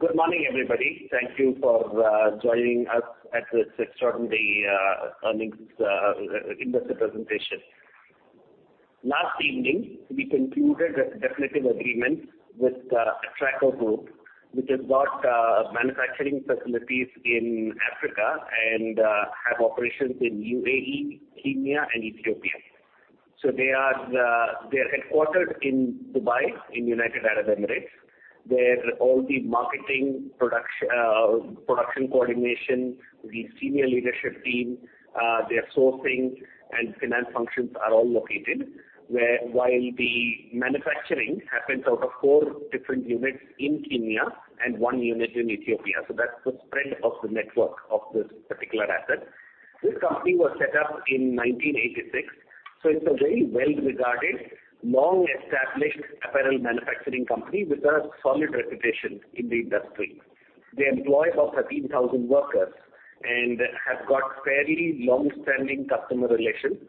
Good morning, everybody. Thank you for joining us at this extraordinary earnings investor presentation. Last evening, we concluded a definitive agreement with Atraco Group which has got manufacturing facilities in Africa and have operations in UAE, Kenya, and Ethiopia. So they are, they're headquartered in Dubai, in the United Arab Emirates. Their marketing production, production coordination, the senior leadership team, their sourcing and finance functions are all located there while the manufacturing happens out of 4 different units in Kenya and 1 unit in Ethiopia. So that's the spread of the network of this particular asset. This company was set up in 1986, so it's a very well-regarded long-established apparel manufacturing company with a solid reputation in the industry. They employ about 13,000 workers and have got fairly long-standing customer relations.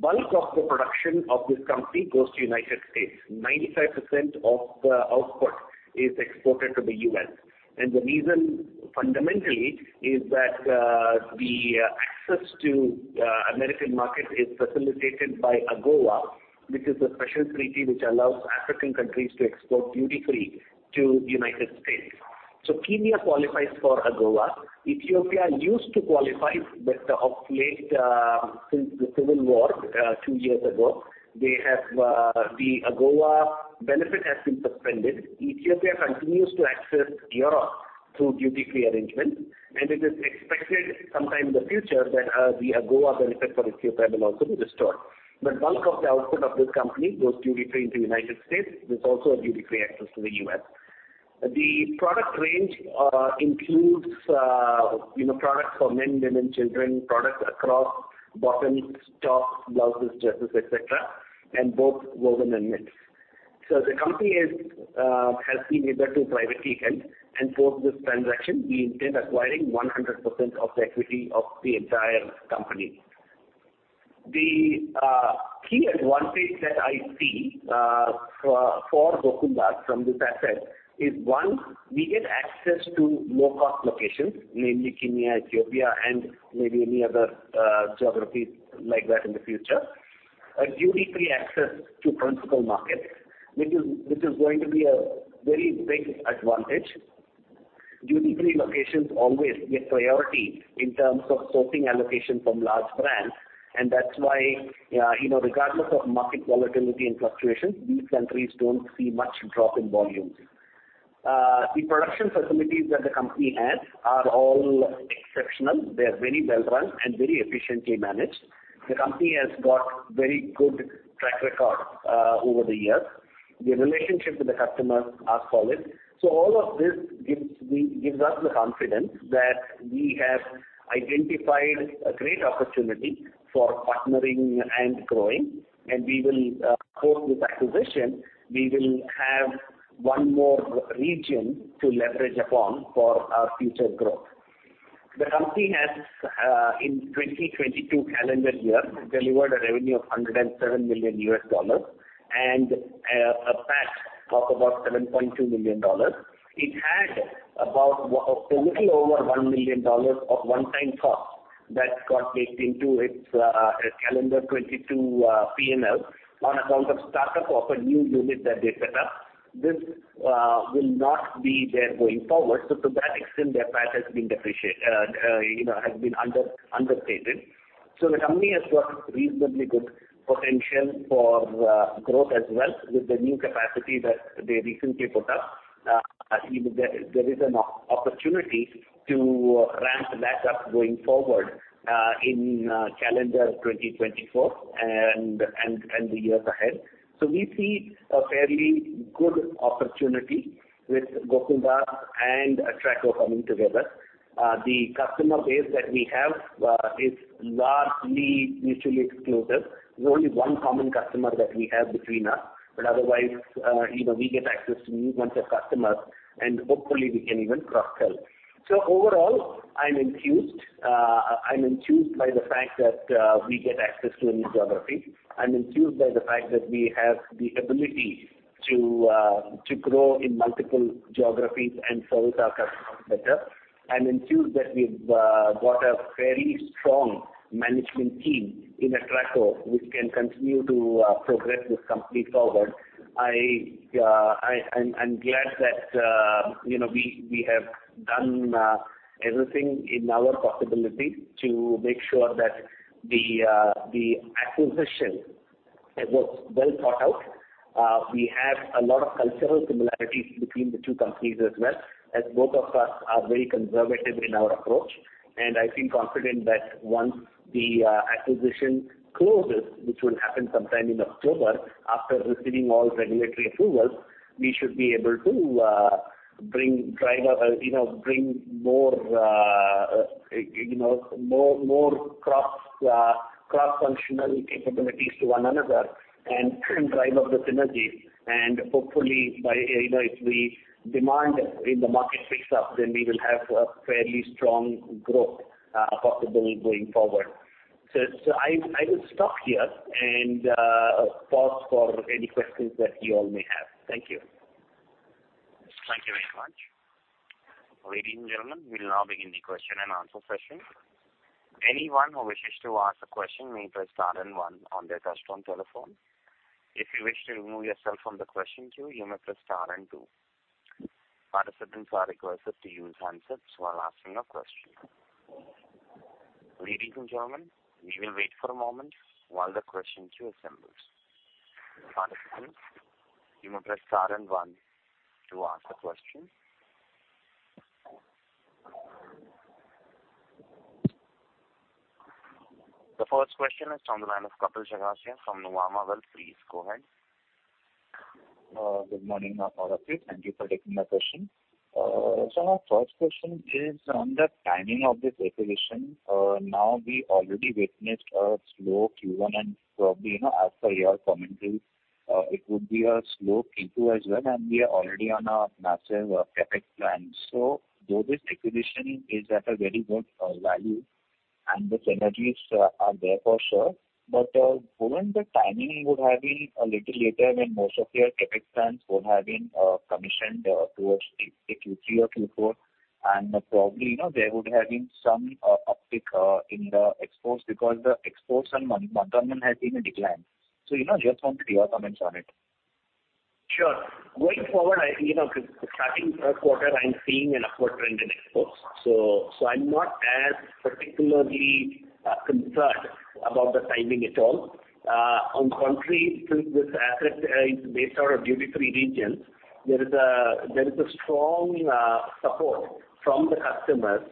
Bulk of the production of this company goes to the United States. 95% of the output is exported to the U.S. And the reason, fundamentally, is that, the, access to, American market is facilitated by AGOA, which is a special treaty which allows African countries to export duty-free to the United States. So Kenya qualifies for AGOA. Ethiopia used to qualify, but, of late, since the civil war, two years ago, they have, the AGOA benefit has been suspended. Ethiopia continues to access Europe through duty-free arrangements, and it is expected sometime in the future that, the AGOA benefit for Ethiopia will also be restored. But bulk of the output of this company goes duty-free into the United States. There's also a duty-free access to the U.S. The product range, includes, you know, products for men, women, children, products across bottoms, tops, blouses, dresses, etc., and both woven and knits. So the company is, has been eager to go private and, and for this transaction, we intend acquiring 100% of the equity of the entire company. The key advantage that I see, for, for Gokaldas from this asset is, one, we get access to low-cost locations, namely Kenya, Ethiopia, and maybe any other geographies like that in the future, a duty-free access to principal markets, which is, which is going to be a very big advantage. Duty-free locations always get priority in terms of sourcing allocation from large brands, and that's why, you know, regardless of market volatility and fluctuations, these countries don't see much drop in volumes. The production facilities that the company has are all exceptional. They're very well-run and very efficiently managed. The company has got very good track record, over the years. The relationship with the customers are solid. So all of this gives us the confidence that we have identified a great opportunity for partnering and growing, and we will, post this acquisition, we will have one more region to leverage upon for our future growth. The company has, in 2022 calendar year, delivered a revenue of $107 million and a PAT of about $7.2 million. It had about a little over $1 million of one-time cost that got baked into its 2022 P&L on account of startup of a new unit that they set up. This will not be there going forward. So, to that extent, their PAT has been depreciated you know, has been understated. So the company has got reasonably good potential for growth as well with the new capacity that they recently put up. You know, there is an opportunity to ramp that up going forward, in calendar 2024 and the years ahead. So we see a fairly good opportunity with Gokaldas and Atraco coming together. The customer base that we have is largely mutually exclusive. There's only one common customer that we have between us, but otherwise, you know, we get access to new ones of customers, and hopefully, we can even cross-sell. So overall, I'm enthused by the fact that we get access to a new geography. I'm enthused by the fact that we have the ability to grow in multiple geographies and service our customers better. I'm enthused that we've got a fairly strong management team in Atraco which can continue to progress this company forward. I'm glad that, you know, we have done everything in our possibility to make sure that the acquisition works well thought out. We have a lot of cultural similarities between the two companies as well, as both of us are very conservative in our approach. I feel confident that once the acquisition closes, which will happen sometime in October after receiving all regulatory approvals, we should be able to bring, you know, bring more, you know, more cross-functional capabilities to one another and drive up the synergy. And hopefully, by, you know, if the demand in the market picks up, then we will have a fairly strong growth possible going forward. So I will stop here and pause for any questions that you all may have. Thank you. Thank you very much. Ladies and gentlemen, we'll now begin the question-and-answer session. Anyone who wishes to ask a question may press star and one on their touch-tone telephone. If you wish to remove yourself from the question queue, you may press star and two. Participants are requested to use hands up while asking a question. Ladies and gentlemen, we will wait for a moment while the question queue assembles. Participants, you may press star and one to ask a question. The first question is from the line of Kapil Jagasia from Nuvama Wealth. Please go ahead. Good morning, all of you. Thank you for taking my question. So my first question is on the timing of this acquisition. Now we already witnessed a slow Q1 and probably, you know, as per your commentary, it would be a slow Q2 as well, and we are already on a massive CapEx plan. So though this acquisition is at a very good value and the synergies are there for sure, but when the timing would have been a little later when most of your CapEx plans would have been commissioned towards the Q3 or Q4, and probably, you know, there would have been some uptick in the exports because the exports month-on-month has been a decline. So, you know, just wanted your comments on it. Sure. Going forward, you know, 'cause starting third quarter, I'm seeing an upward trend in exports. So I'm not as particularly concerned about the timing at all. On the contrary, since this asset is based out of duty-free regions, there is a strong support from the customers,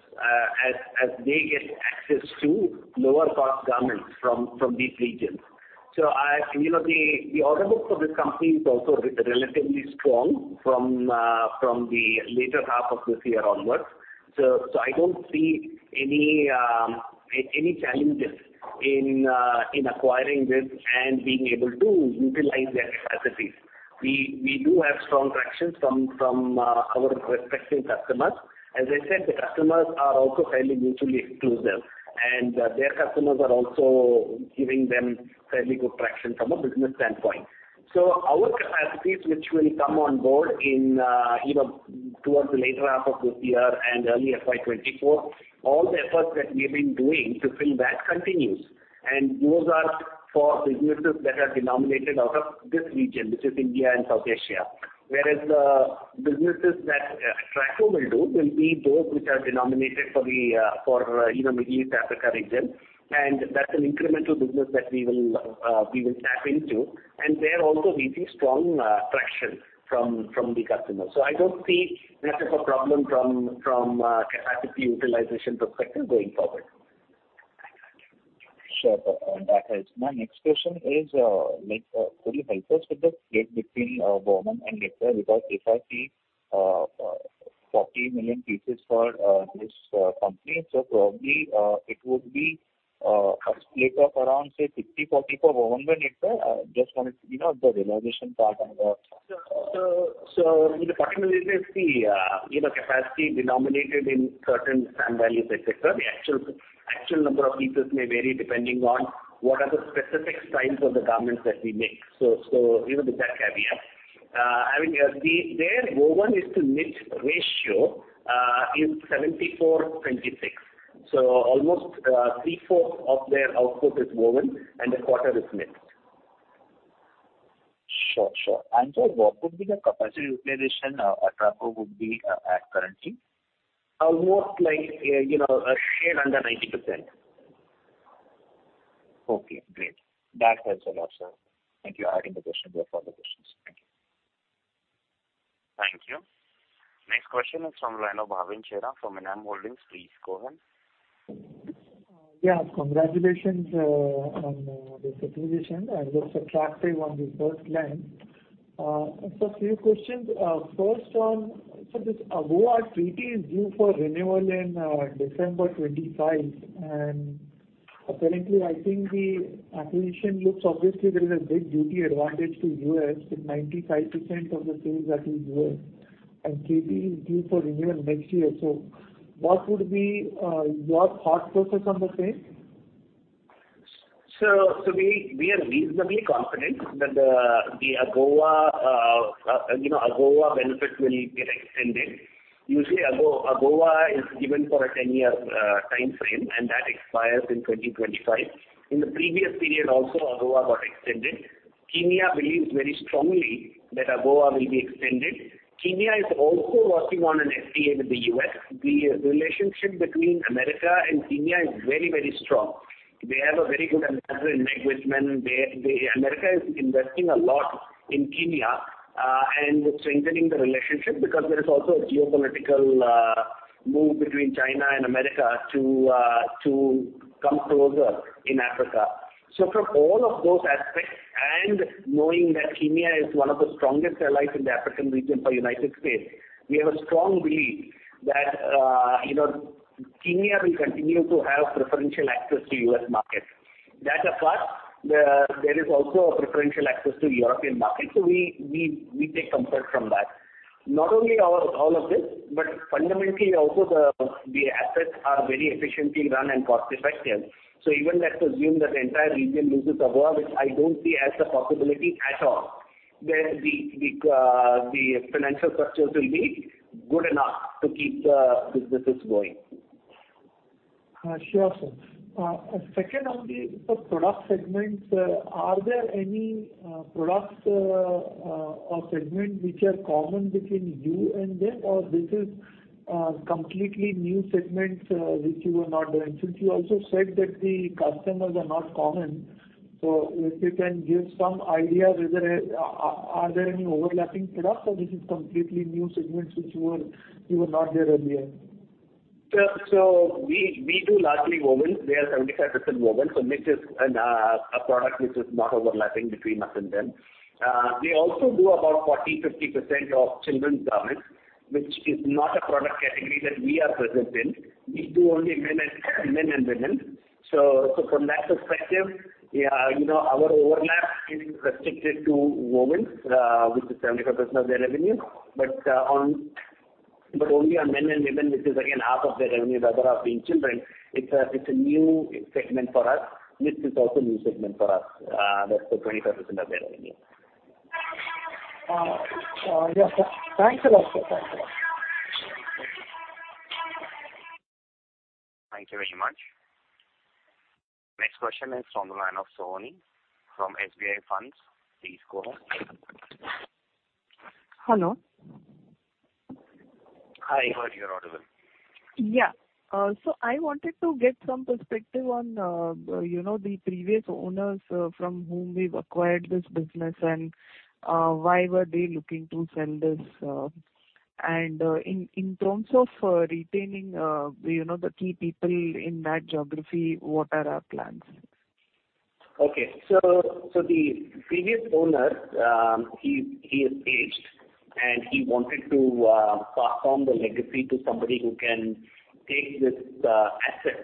as they get access to lower-cost garments from these regions. So I, you know, the order book for this company is also relatively strong from the later half of this year onwards. So I don't see any challenges in acquiring this and being able to utilize their capacities. We do have strong traction from our respective customers. As I said, the customers are also fairly mutually exclusive, and their customers are also giving them fairly good traction from a business standpoint. Our capacities, which will come on board in, you know, towards the later half of this year and early FY 2024, all the efforts that we've been doing to fill that continues. Those are for businesses that are denominated out of this region, which is India and South Asia. Whereas the businesses that Atraco will do will be those which are denominated for the, for, you know, Middle East, Africa region. That's an incremental business that we will tap into. There also, we see strong traction from the customers. I don't see much of a problem from capacity utilization perspective going forward. Sure, that helps. My next question is, like, could you help us with the split between woven and knits because if I see 40 million pieces for this company, so probably it would be a split of around, say, 50-40 for woven by knits. I just wanted, you know, the realization part and the. So, you know, particularly with the, you know, capacity denominated in certain SAM values, etc., the actual number of pieces may vary depending on what are the specific styles of the garments that we make. So, you know, with that caveat, I mean, their woven-to-knit ratio is 74/26. So, almost three-fourths of their output is woven, and a quarter is knit. Sure, sure. And, what would be the capacity utilization at Atraco currently? Almost like, you know, a share under 90%. Okay. Great. That helps a lot, sir. Thank you for adding the question. We have further questions. Thank you. Thank you. Next question is from the line of Bhavin Chheda from Enam Holdings. Please go ahead. Yeah. Congratulations on this acquisition. It looks attractive on the first glance. So a few questions. First on so this AGOA treaty is due for renewal in December 2025. And apparently, I think the acquisition looks obviously, there is a big duty advantage to U.S. with 95% of the sales that is U.S. And treaty is due for renewal next year. So what would be your thought process on the same? So we are reasonably confident that the AGOA, you know, AGOA benefit will get extended. Usually, AGOA is given for a 10-year time frame, and that expires in 2025. In the previous period also, AGOA got extended. Kenya believes very strongly that AGOA will be extended. Kenya is also working on an FTA with the U.S. The relationship between America and Kenya is very, very strong. They have a very good ambassador in Meg Whitman. They, America is investing a lot in Kenya, and strengthening the relationship because there is also a geopolitical move between China and America to come closer in Africa. So from all of those aspects and knowing that Kenya is one of the strongest allies in the African region for United States, we have a strong belief that, you know, Kenya will continue to have preferential access to U.S. markets. That apart, there is also a preferential access to European markets. So we take comfort from that. Not only all of this, but fundamentally, also, the assets are very efficiently run and cost-effective. So even let's assume that the entire region loses AGOA, which I don't see as a possibility at all, that the financial structures will be good enough to keep the businesses going. Sure. So, second on the product segments, are there any products or segments which are common between you and them, or is this completely new segments which you were not there in? Since you also said that the customers are not common, so if you can give some idea whether are there any overlapping products, or is this completely new segments which you were not there earlier? So we do largely women. They are 75% women. So knit is a product which is not overlapping between us and them. We also do about 40%-50% of children's garments, which is not a product category that we are present in. We do only men and women. So from that perspective, yeah, you know, our overlap is restricted to women, which is 75% of their revenue. But only on men and women, which is, again, half of their revenue, rather than children, it's a new segment for us. Knit is also a new segment for us. That's the 25% of their revenue. Yeah. Thanks a lot, sir. Thanks a lot. Thank you very much. Next question is from the line of Sohini from SBI Mutual Fund. Please go ahead. Hello. Hi. I heard your audible. Yeah, so I wanted to get some perspective on, you know, the previous owners, from whom we've acquired this business and, why were they looking to sell this, and, in terms of, retaining, you know, the key people in that geography, what are our plans? Okay. So the previous owner, he is aged, and he wanted to pass on the legacy to somebody who can take this asset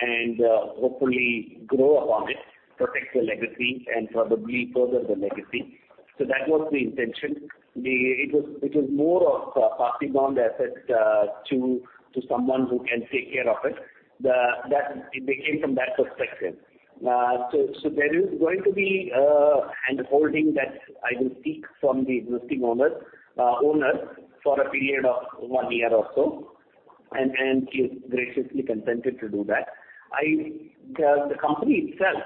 and hopefully grow upon it, protect the legacy, and probably further the legacy. So that was the intention. It was more of passing on the asset to someone who can take care of it. That they came from that perspective. So there is going to be and holding that I will seek from the existing owners for a period of one year or so. And he is graciously consented to do that. The company itself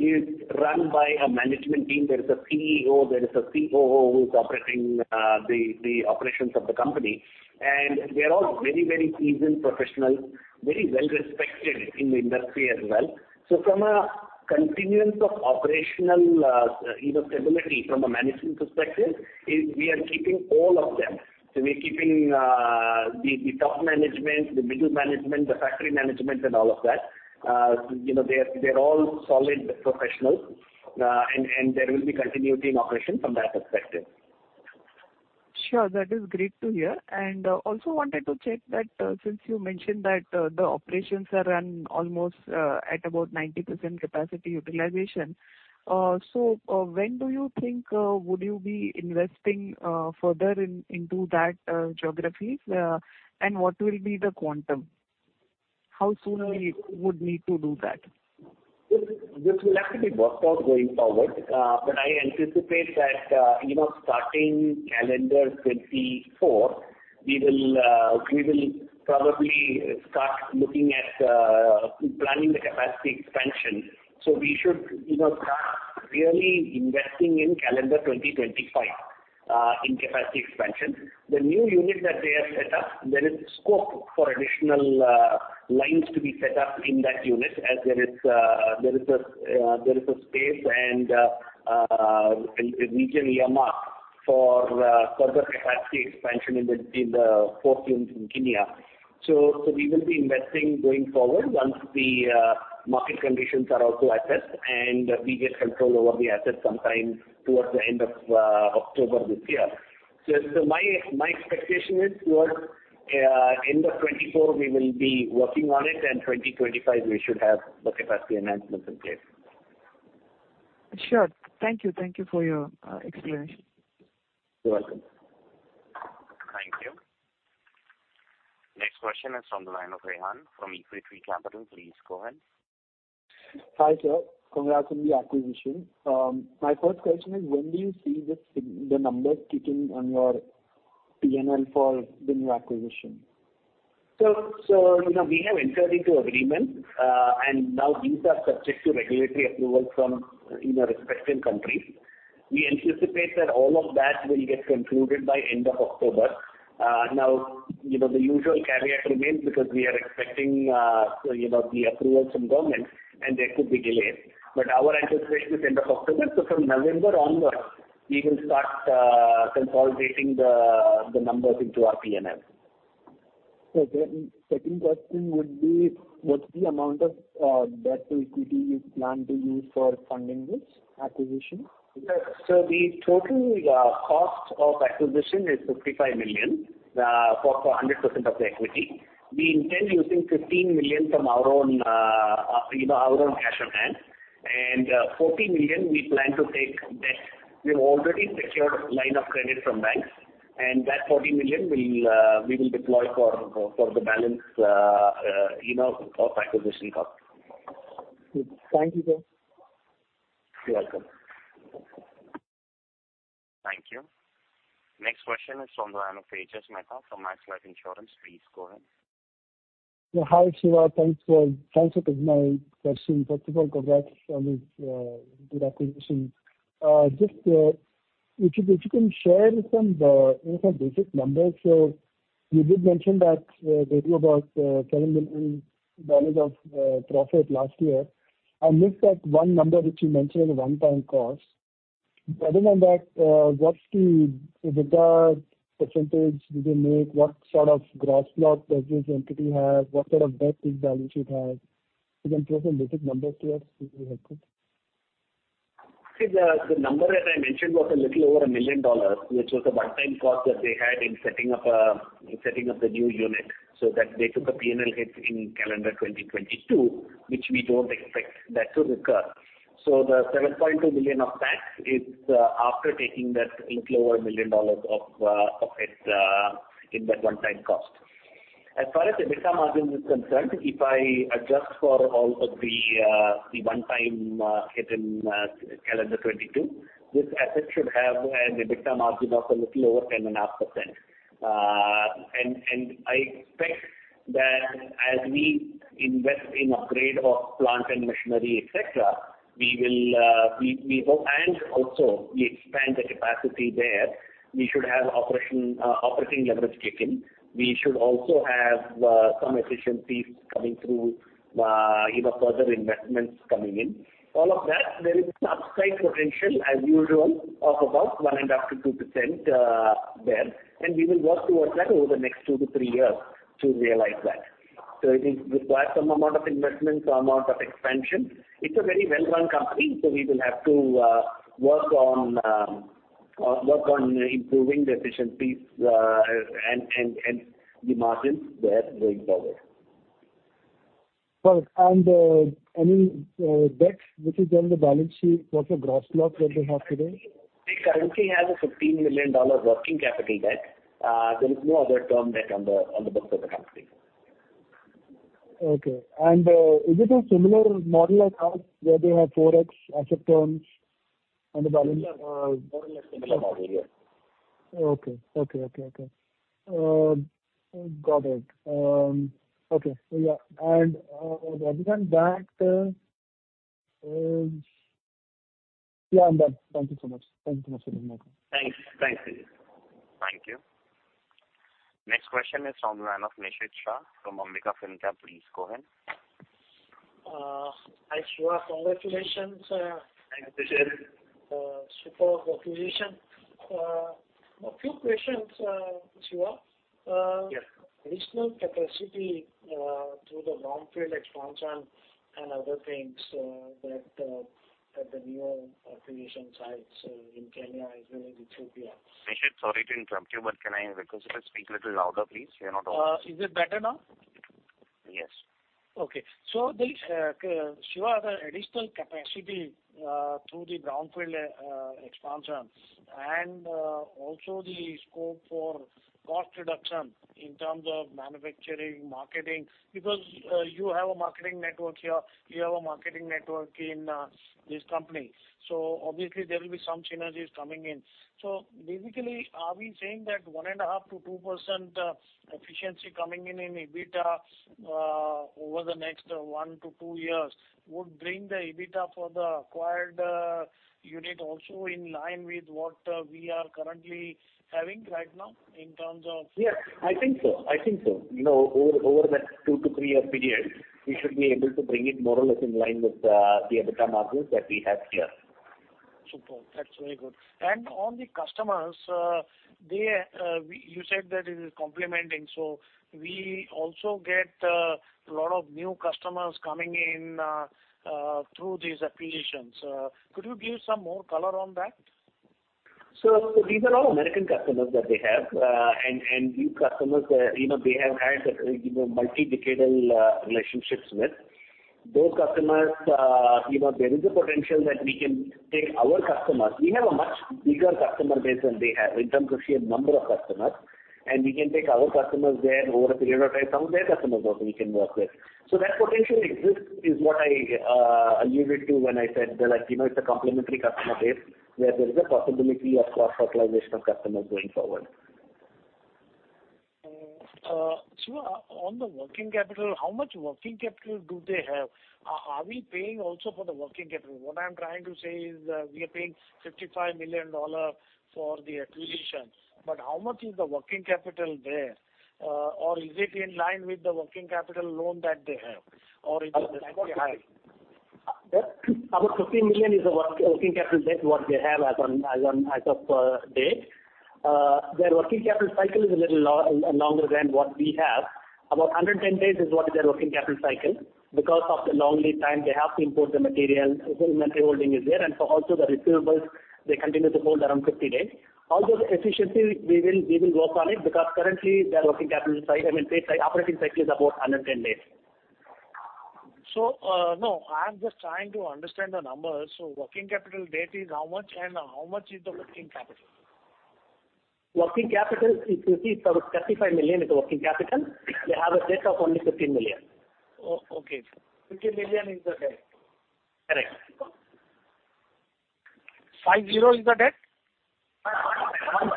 is run by a management team. There is a CEO. There is a COO who is operating the operations of the company. And they are all very, very seasoned professionals, very well-respected in the industry as well. So from a continuance of operational, you know, stability from a management perspective, I, we are keeping all of them. So we're keeping the top management, the middle management, the factory management, and all of that. You know, they're all solid professionals. And there will be continuity in operation from that perspective. Sure. That is great to hear. And also wanted to check that, since you mentioned that, the operations are run almost at about 90% capacity utilization. So, when do you think would you be investing further into that geographies, and what will be the quantum? How soon we. Sure. Would need to do that? This will have to be worked out going forward. But I anticipate that, you know, starting calendar 2024, we will probably start looking at planning the capacity expansion. So we should, you know, start really investing in calendar 2025 in capacity expansion. The new unit that they have set up, there is scope for additional lines to be set up in that unit as there is a space and region earmarked for further capacity expansion in the fourth unit in Kenya. So we will be investing going forward once the market conditions are also assessed and we get control over the assets sometime towards the end of October this year. So my expectation is towards end of 2024, we will be working on it, and 2025, we should have the capacity enhancements in place. Sure. Thank you. Thank you for your explanation. You're welcome. Thank you. Next question is from the line of Rehan from Equitree Capital. Please go ahead. Hi, sir. Congrats on the acquisition. My first question is, when do you see this acquisition's numbers kicking in on your P&L for the new acquisition? So, you know, we have entered into agreements, and now these are subject to regulatory approval from, you know, respective countries. We anticipate that all of that will get concluded by end of October. Now, you know, the usual caveat remains because we are expecting, you know, the approval from government, and there could be delays. But our anticipation is end of October. So from November onward, we will start consolidating the numbers into our P&L. Okay. And second question would be, what's the amount of debt to equity you plan to use for funding this acquisition? So, the total cost of acquisition is $55 million for 100% of the equity. We intend using $15 million from our own, you know, our own cash on hand. And $40 million, we plan to take debt. We've already secured line of credit from banks. And that $40 million will we will deploy for the balance, you know, of acquisition cost. Good. Thank you, sir. You're welcome. Thank you. Next question is from the line of Tejas Mehta from Max Life Insurance. Please go ahead. Yeah. Hi, Siva. Thanks for taking my question. First of all, congrats on this good acquisition. Just, if you can share some, you know, some basic numbers. So you did mention that they do about $7 million of profit last year. I missed that one number which you mentioned in the one-time cost. Other than that, what's the debt percentage did they make? What sort of gross profit does this entity have? What sort of debt-based value should it have? You can throw some basic numbers to us. It would be helpful. See, the number that I mentioned was a little over $1 million, which was a one-time cost that they had in setting up the new unit so that they took a P&L hit in calendar 2022, which we don't expect that to recur. So the $7.2 million of that is, after taking that little over $1 million of it, in that one-time cost. As far as EBITDA margin is concerned, if I adjust for all of the one-time hit in calendar 2022, this asset should have an EBITDA margin of a little over 10.5%. And I expect that as we invest in upgrade of plant and machinery, etc., we will hope and also expand the capacity there. We should have operating leverage kick in. We should also have some efficiencies coming through, you know, further investments coming in. All of that, there is an upside potential as usual of about 1%-2%, there. And we will work towards that over the next 2-3 years to realize that. So it requires some amount of investment, some amount of expansion. It's a very well-run company, so we will have to work on improving the efficiencies, and the margins there going forward. Perfect. Any debt which is on the balance sheet? What's the gross debt that they have today? They currently have a $15 million working capital debt. There is no other term debt on the books of the company. Okay. Is it a similar model as ours where they have 4x asset turns on the balance? Sure. More or less similar model, yes. Okay. Okay. Okay. Okay, got it. Okay. Well, yeah. And other than that is yeah. And that. Thank you so much. Thank you so much for this microphone. Thanks. Thanks, Tejas. Thank you. Next question is from the line of Nishit Shah from Ambika Fincap. Please go ahead. Hi, Siva. Congratulations, Thanks, Tejas. support of the acquisition. A few questions, Siva. Yes. Additional capacity through the brownfield expansion and other things that at the new acquisition sites in Kenya as well as Ethiopia. Nishit, sorry to interrupt you, but can I request you to speak a little louder, please? You're not overheard. is it better now? Yes. Okay. So the, Siva, the additional capacity through the brownfield expansion and also the scope for cost reduction in terms of manufacturing, marketing because you have a marketing network here. You have a marketing network in this company. So obviously, there will be some synergies coming in. So basically, are we saying that 1.5%-2% efficiency coming in in EBITDA over the next 1-2 years would bring the EBITDA for the acquired unit also in line with what we are currently having right now in terms of. Yes. I think so. I think so. You know, over, over that 2-3-year period, we should be able to bring it more or less in line with the EBITDA margins that we have here. Super. That's very good. And on the customers, you said that it is complementing. So we also get a lot of new customers coming in through these acquisitions. Could you give some more color on that? So, so these are all American customers that they have, and, and these customers, you know, they have had, you know, multi-decadal relationships with. Those customers, you know, there is a potential that we can take our customers. We have a much bigger customer base than they have in terms of sheer number of customers. And we can take our customers there over a period of time. Some of their customers also we can work with. So that potential exists is what I alluded to when I said that, like, you know, it's a complementary customer base where there is a possibility of cross-fertilization of customers going forward. Siva, on the working capital, how much working capital do they have? Are we paying also for the working capital? What I'm trying to say is, we are paying $55 million for the acquisition. But how much is the working capital there, or is it in line with the working capital loan that they have? Or is it a bit higher? About $15 million is the working capital debt what they have as of date. Their working capital cycle is a little longer than what we have. About 110 days is what their working capital cycle because of the long lead time. They have to import the material. The inventory holding is there. And for also the receivables, they continue to hold around 50 days. Although the efficiency, we will work on it because currently, their working capital cycle, I mean, payables cycle operating cycle is about 110 days. No. I'm just trying to understand the numbers. Working capital debt is how much? How much is the working capital? Working capital is, you see, it's about $35 million is the working capital. They have a debt of only $15 million. O-okay. $15 million is the debt. Correct. $50 is the debt? 15.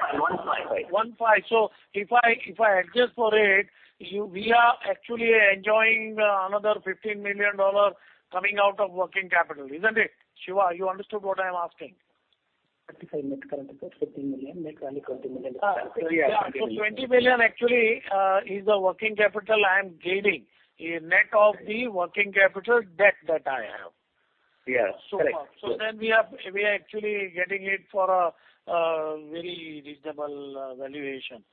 15. 15. 15. So if I adjust for it, we are actually enjoying another $15 million coming out of working capital, isn't it, Siva? You understood what I'm asking. 35 net currently. So it's INR 15 million. Net value INR 20 million is currently. Yeah. Yeah. So $20 million actually, is the working capital I'm gaining, net of the working capital debt that I have. Yes. Correct. So then we are actually getting it for a very reasonable valuation.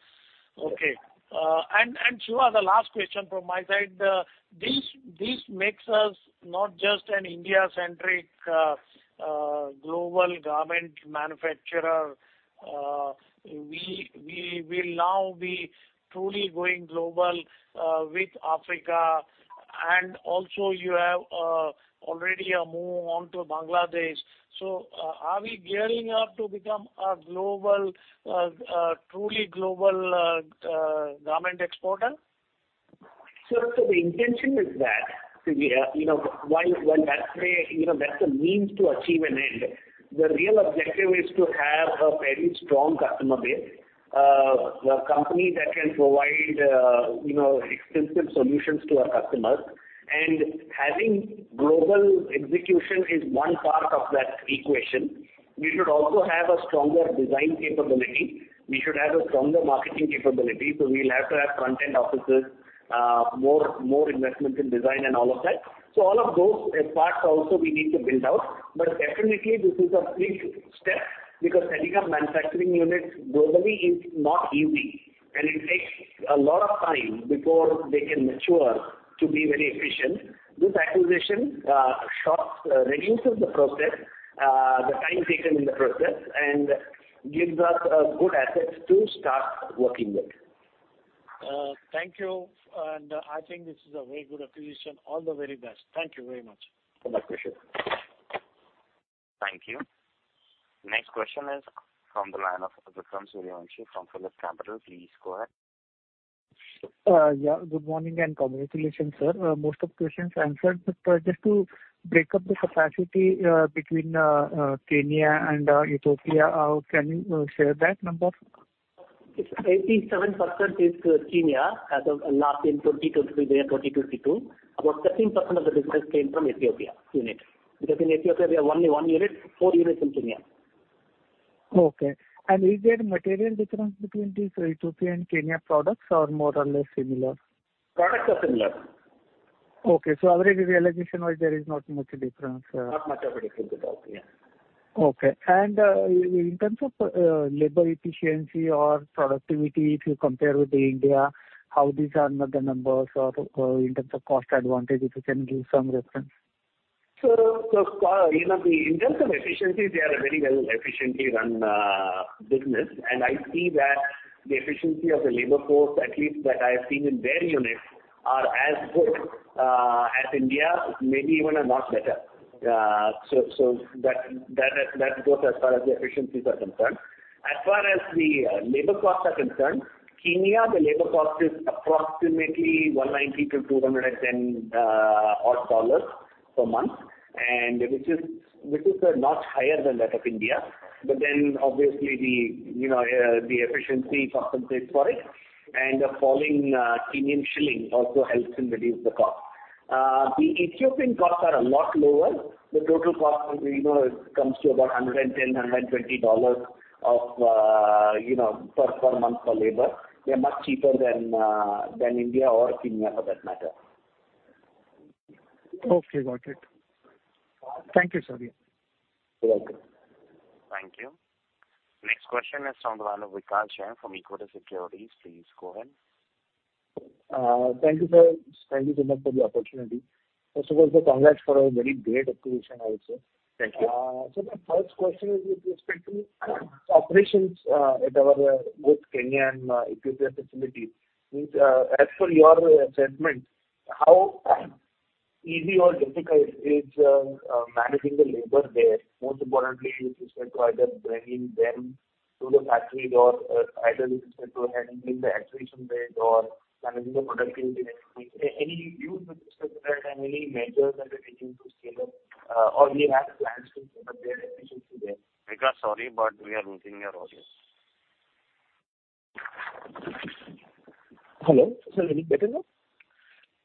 Okay. And Siva, the last question from my side, this makes us not just an India-centric global garment manufacturer. We will now be truly going global with Africa. And also, you have already a move on to Bangladesh. So, are we gearing up to become a global, truly global, garment exporter? So the intention is that, you know, while that's the you know, that's a means to achieve an end. The real objective is to have a very strong customer base, a company that can provide, you know, extensive solutions to our customers. And having global execution is one part of that equation. We should also have a stronger design capability. We should have a stronger marketing capability. So we'll have to have front-end offices, more, more investment in design and all of that. So all of those, parts also, we need to build out. But definitely, this is a big step because setting up manufacturing units globally is not easy. And it takes a lot of time before they can mature to be very efficient. This acquisition shortens the process, the time taken in the process, and gives us a good asset to start working with. Thank you. I think this is a very good acquisition. All the very best. Thank you very much. My pleasure. Thank you. Next question is from the line of Vikram Suryavanshi from PhillipCapital. Please go ahead. Yeah. Good morning and congratulations, sir. Most of the questions answered. But just to break up the capacity between Kenya and Ethiopia, can you share that number? It's 87% is Kenya. As of last in 2023, they are 2022. About 13% of the business came from Ethiopia unit because in Ethiopia, we have only one unit, four units in Kenya. Okay. Is there material difference between these, Ethiopia and Kenya products, or more or less similar? Products are similar. Okay. So our realization was there is not much difference, Not much of a difference at all, yes. Okay. And, in terms of labor efficiency or productivity, if you compare with India, how these are in the numbers or, in terms of cost advantage, if you can give some reference? So, you know, in terms of efficiency, they are a very well efficiently run business. And I see that the efficiency of the labor force, at least that I have seen in their units, are as good as India, maybe even a lot better. So that goes as far as the efficiencies are concerned. As far as the labor costs are concerned, in Kenya, the labor cost is approximately $190-$210 odd dollars per month, and which is not higher than that of India. But then, obviously, you know, the efficiency compensates for it. And the falling Kenyan shilling also helps in reducing the cost. The Ethiopian costs are a lot lower. The total cost, you know, comes to about $110-$120 dollars of, you know, per month for labor. They are much cheaper than India or Kenya for that matter. Okay. Got it. Thank you, Surya. You're welcome. Thank you. Next question is from the line of Vikalp Jain from Equitas Securities. Please go ahead. Thank you, sir. Thank you so much for the opportunity. First of all, sir, congrats for a very great acquisition, I would say. Thank you. Sir, my first question is, please speak to me. Operations at our both Kenya and Ethiopia facilities means, as per your assessment, how easy or difficult is managing the labor there, most importantly with respect to either bringing them to the factories or either with respect to handling the acquisition rate or managing the productivity? Any use with respect to that and any measures that they're taking to scale up, or they have plans to scale up their efficiency there? Vikalp, sorry, but we are losing your audience. Hello? Sir, any better now?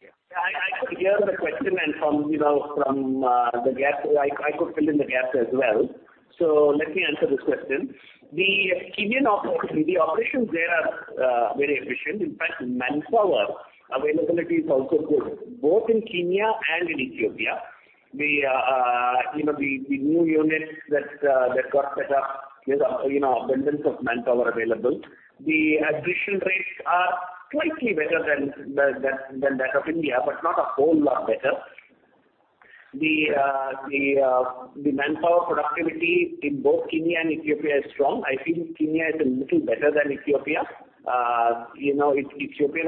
Yeah. Yeah. I could hear the question and from, you know, from the gap. I could fill in the gaps as well. So let me answer this question. The Kenyan operations there are very efficient. In fact, manpower availability is also good both in Kenya and in Ethiopia. The, you know, the new unit that got set up, there's a, you know, abundance of manpower available. The acquisition rates are slightly better than that of India but not a whole lot better. The manpower productivity in both Kenya and Ethiopia is strong. I feel Kenya is a little better than Ethiopia. You know, it's Ethiopian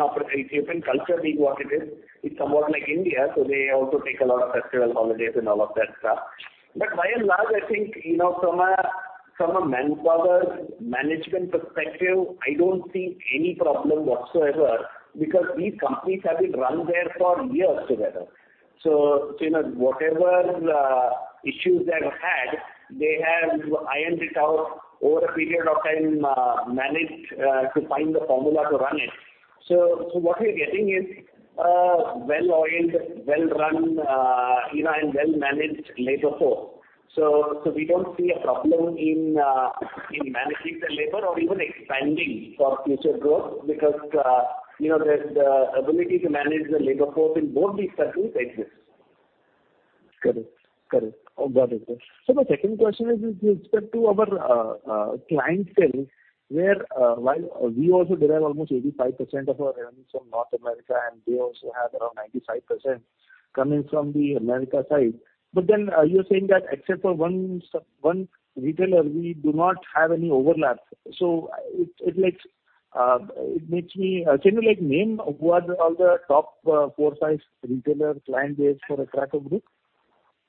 culture, being what it is, is somewhat like India. So they also take a lot of festival holidays and all of that stuff. But by and large, I think, you know, from a manpower management perspective, I don't see any problem whatsoever because these companies have been run there for years together. So, you know, whatever issues they have had, they have ironed it out over a period of time, managed to find the formula to run it. So, we don't see a problem in managing the labor or even expanding for future growth because, you know, the ability to manage the labor force in both these countries exists. Correct. Correct. Oh, got it, sir. So my second question is with respect to our clientele, where while we also derive almost 85% of our revenues from North America, and they also have around 95% coming from the America side, but then you're saying that except for one or two retailers, we do not have any overlaps. So it makes me—can you, like, name who are all the top 4, 5 retailer client base for Atraco Group?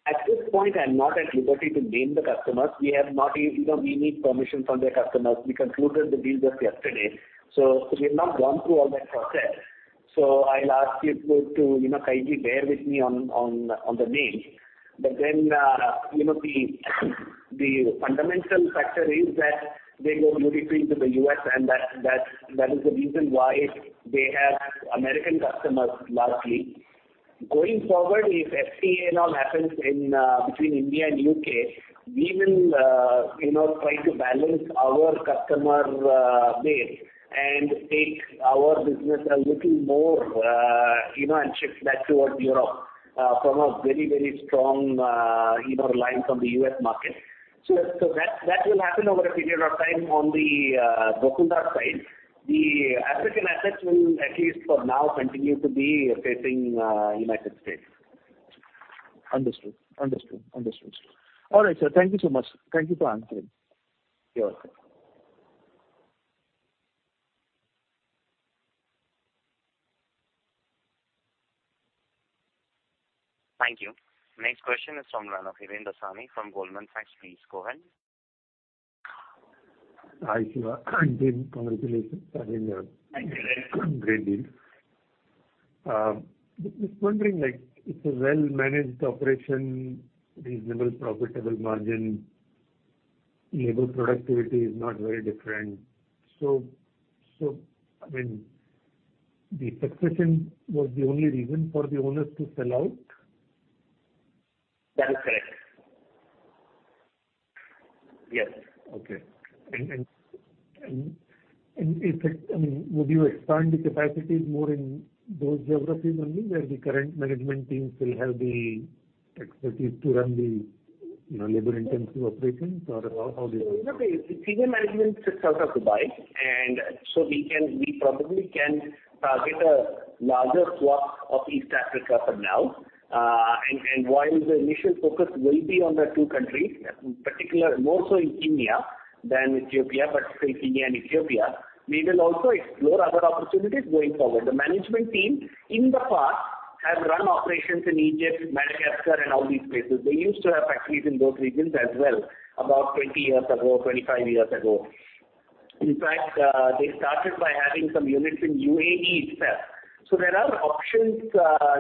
At this point, I'm not at liberty to name the customers. We have not yet, you know, we need permission from the customers. We concluded the deal just yesterday. So we have not gone through all that process. So I'll ask you to, you know, kindly bear with me on the names. But then, you know, the fundamental factor is that they go duty-free to the U.S., and that is the reason why they have American customers largely. Going forward, if FTA and all happens between India and U.K., we will, you know, try to balance our customer base and take our business a little more, you know, and shift that towards Europe, from a very, very strong, you know, relying on the U.S. market. So that will happen over a period of time on the Gokaldas side. The African assets will, at least for now, continue to be facing United States. Understood. Understood. Understood. All right, sir. Thank you so much. Thank you for answering. You're welcome. Thank you. Next question is from the line of Harendar from Goldman Sachs. Please go ahead. Hi, Siva. Deepest congratulations. I mean, Thank you, then. Great deal. Just wondering, like, it's a well-managed operation, reasonable profitable margin. Labor productivity is not very different. So, I mean, the succession was the only reason for the owners to sell out? That is correct. Yes. Okay. I mean, would you expand the capacities more in those geographies only where the current management teams still have the expertise to run the, you know, labor-intensive operations, or how do you? No, no. The senior management sits out of Dubai. And so we can we probably can target a larger swath of East Africa for now. And while the initial focus will be on the two countries, particularly more so in Kenya than Ethiopia, but still Kenya and Ethiopia, we will also explore other opportunities going forward. The management team in the past have run operations in Egypt, Madagascar, and all these places. They used to have factories in those regions as well about 20 years ago, 25 years ago. In fact, they started by having some units in UAE itself. So there are options,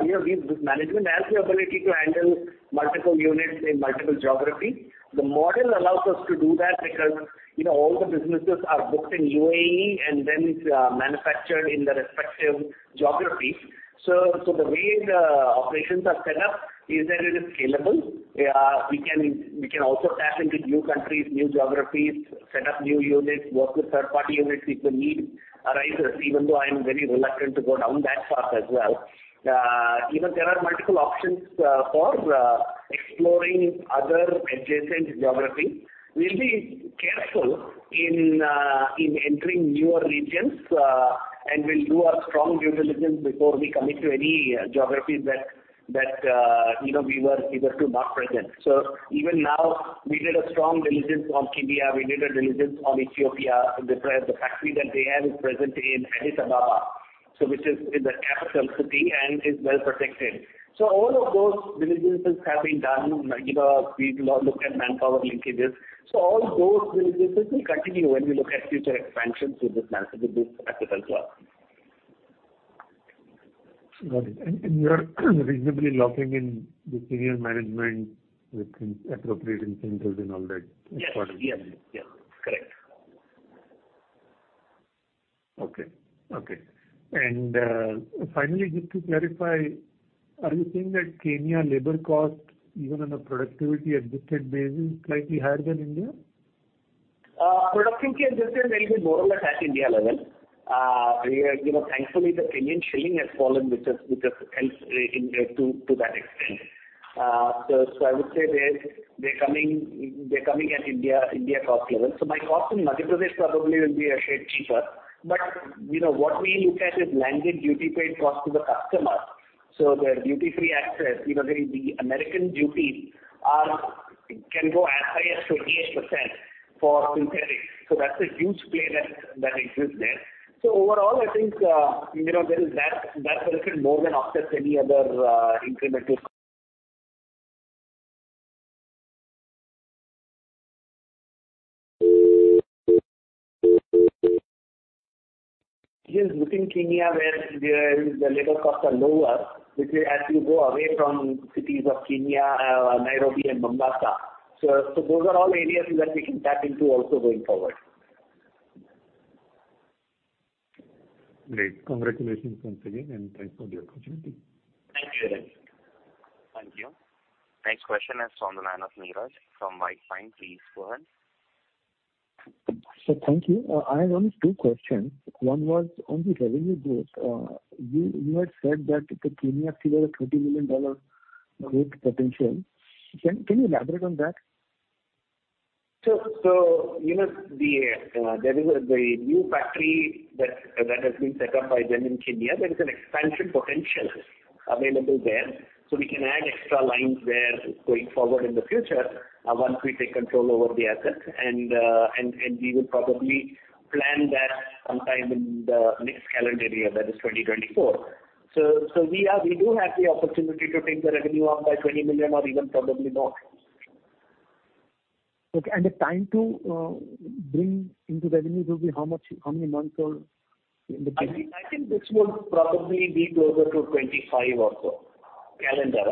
you know. This, this management has the ability to handle multiple units in multiple geographies. The model allows us to do that because, you know, all the businesses are booked in UAE and then it's manufactured in the respective geographies. So, the way the operations are set up is that it is scalable. We can also tap into new countries, new geographies, set up new units, work with third-party units if the need arises, even though I am very reluctant to go down that path as well. Even there are multiple options for exploring other adjacent geographies. We'll be careful in entering newer regions, and we'll do our strong due diligence before we commit to any geographies that, you know, we were either too not present. So even now, we did a strong diligence on Kenya. We did a diligence on Ethiopia. The factory that they have is present in Addis Ababa, so which is in the capital city and is well protected. So all of those diligences have been done. You know, we've looked at manpower linkages. All those diligences will continue when we look at future expansions with this asset as well. Got it. And you're reasonably locking in the senior management with appropriate incentives and all that accordingly? Yes. Yes. Yes. Correct. Okay. Okay. And, finally, just to clarify, are you saying that Kenya labor cost, even on a productivity-adjusted basis, is slightly higher than India? Productivity-adjusted may be more on the Pakistan-India level. We are, you know, thankfully, the Kenyan shilling has fallen, which has helped to that extent. So I would say they're coming at India cost level. So my cost in Madhya Pradesh probably will be a shade cheaper. But, you know, what we look at is landed duty-paid cost to the customers. So their duty-free access, you know, the American duties can go as high as 28% for synthetics. So that's a huge play that exists there. So overall, I think, you know, there is that benefit more than offsets any other incremental. Yes, within Kenya, where the labor costs are lower, which is as you go away from cities of Kenya, Nairobi and Mombasa. So, those are all areas that we can tap into also going forward. Great. Congratulations once again, and thanks for the opportunity. Thank you, then. Thank you. Next question is from the line of Niraj from White Pine. Please go ahead. Sir, thank you. I have only two questions. One was on the revenue growth. You had said that the Kenya actually has a $30 million growth potential. Can you elaborate on that? So, you know, there is a new factory that has been set up by them in Kenya. There is an expansion potential available there. So we can add extra lines there going forward in the future, once we take control over the asset. And we will probably plan that sometime in the next calendar year, that is 2024. So we do have the opportunity to take the revenue up by $20 million or even probably more. Okay. The time to bring into revenue will be how much, how many months or in the? I think this will probably be closer to 25 or so. Calendar,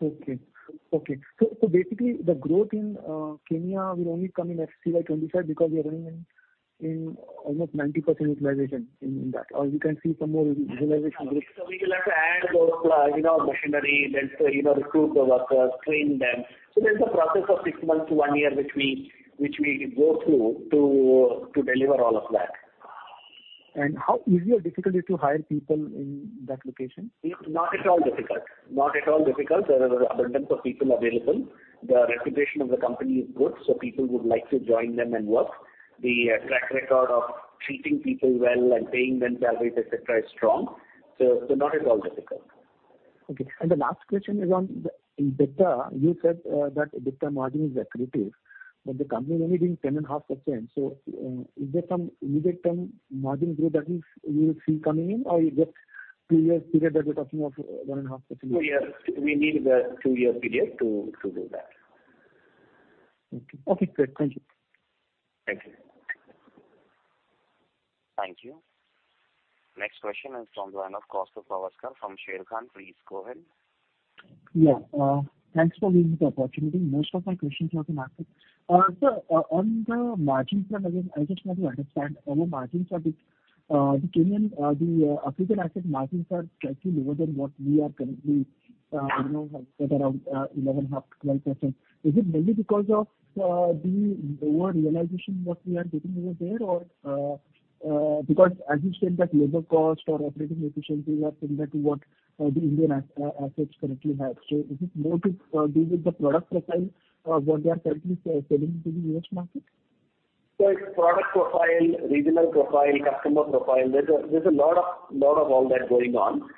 huh? Okay. So basically, the growth in Kenya will only come in FY 25 because we are running at almost 90% utilization in that. Or you can see some more utilization growth. So we will have to add those plus, you know, machinery, then, you know, recruit the workers, train them. So there's a process of 6 months to 1 year which we go through to deliver all of that. How easy or difficult is it to hire people in that location? It's not at all difficult. Not at all difficult. There is an abundance of people available. The reputation of the company is good, so people would like to join them and work. The track record of treating people well and paying them salaries, etc., is strong. So, so not at all difficult. Okay. And the last question is on the EBITDA, you said, that EBITDA margin is accretive, but the company is only doing 10.5%. So, is there some immediate-term margin growth that you will see coming in, or you just two-year period that you're talking of 1.5%? Two years. We need the two-year period to do that. Okay. Okay. Great. Thank you. Thank you. Thank you. Next question is from the line of Kaustubh Pawaskar from Sharekhan. Please go ahead. Yeah. Thanks for giving me the opportunity. Most of my questions have been answered. Sir, on the margin plan, again, I just want to understand. Our margins are a bit the Kenyan, the African asset margins are slightly lower than what we are currently, you know, have at around 11.5%-12%. Is it mainly because of the lower realization what we are getting over there, or because, as you said, that labor cost or operating efficiency has been led to what the Indian assets currently have? So is it more to do with the product profile, what they are currently selling to the US market? So it's product profile, regional profile, customer profile. There's a lot of all that going on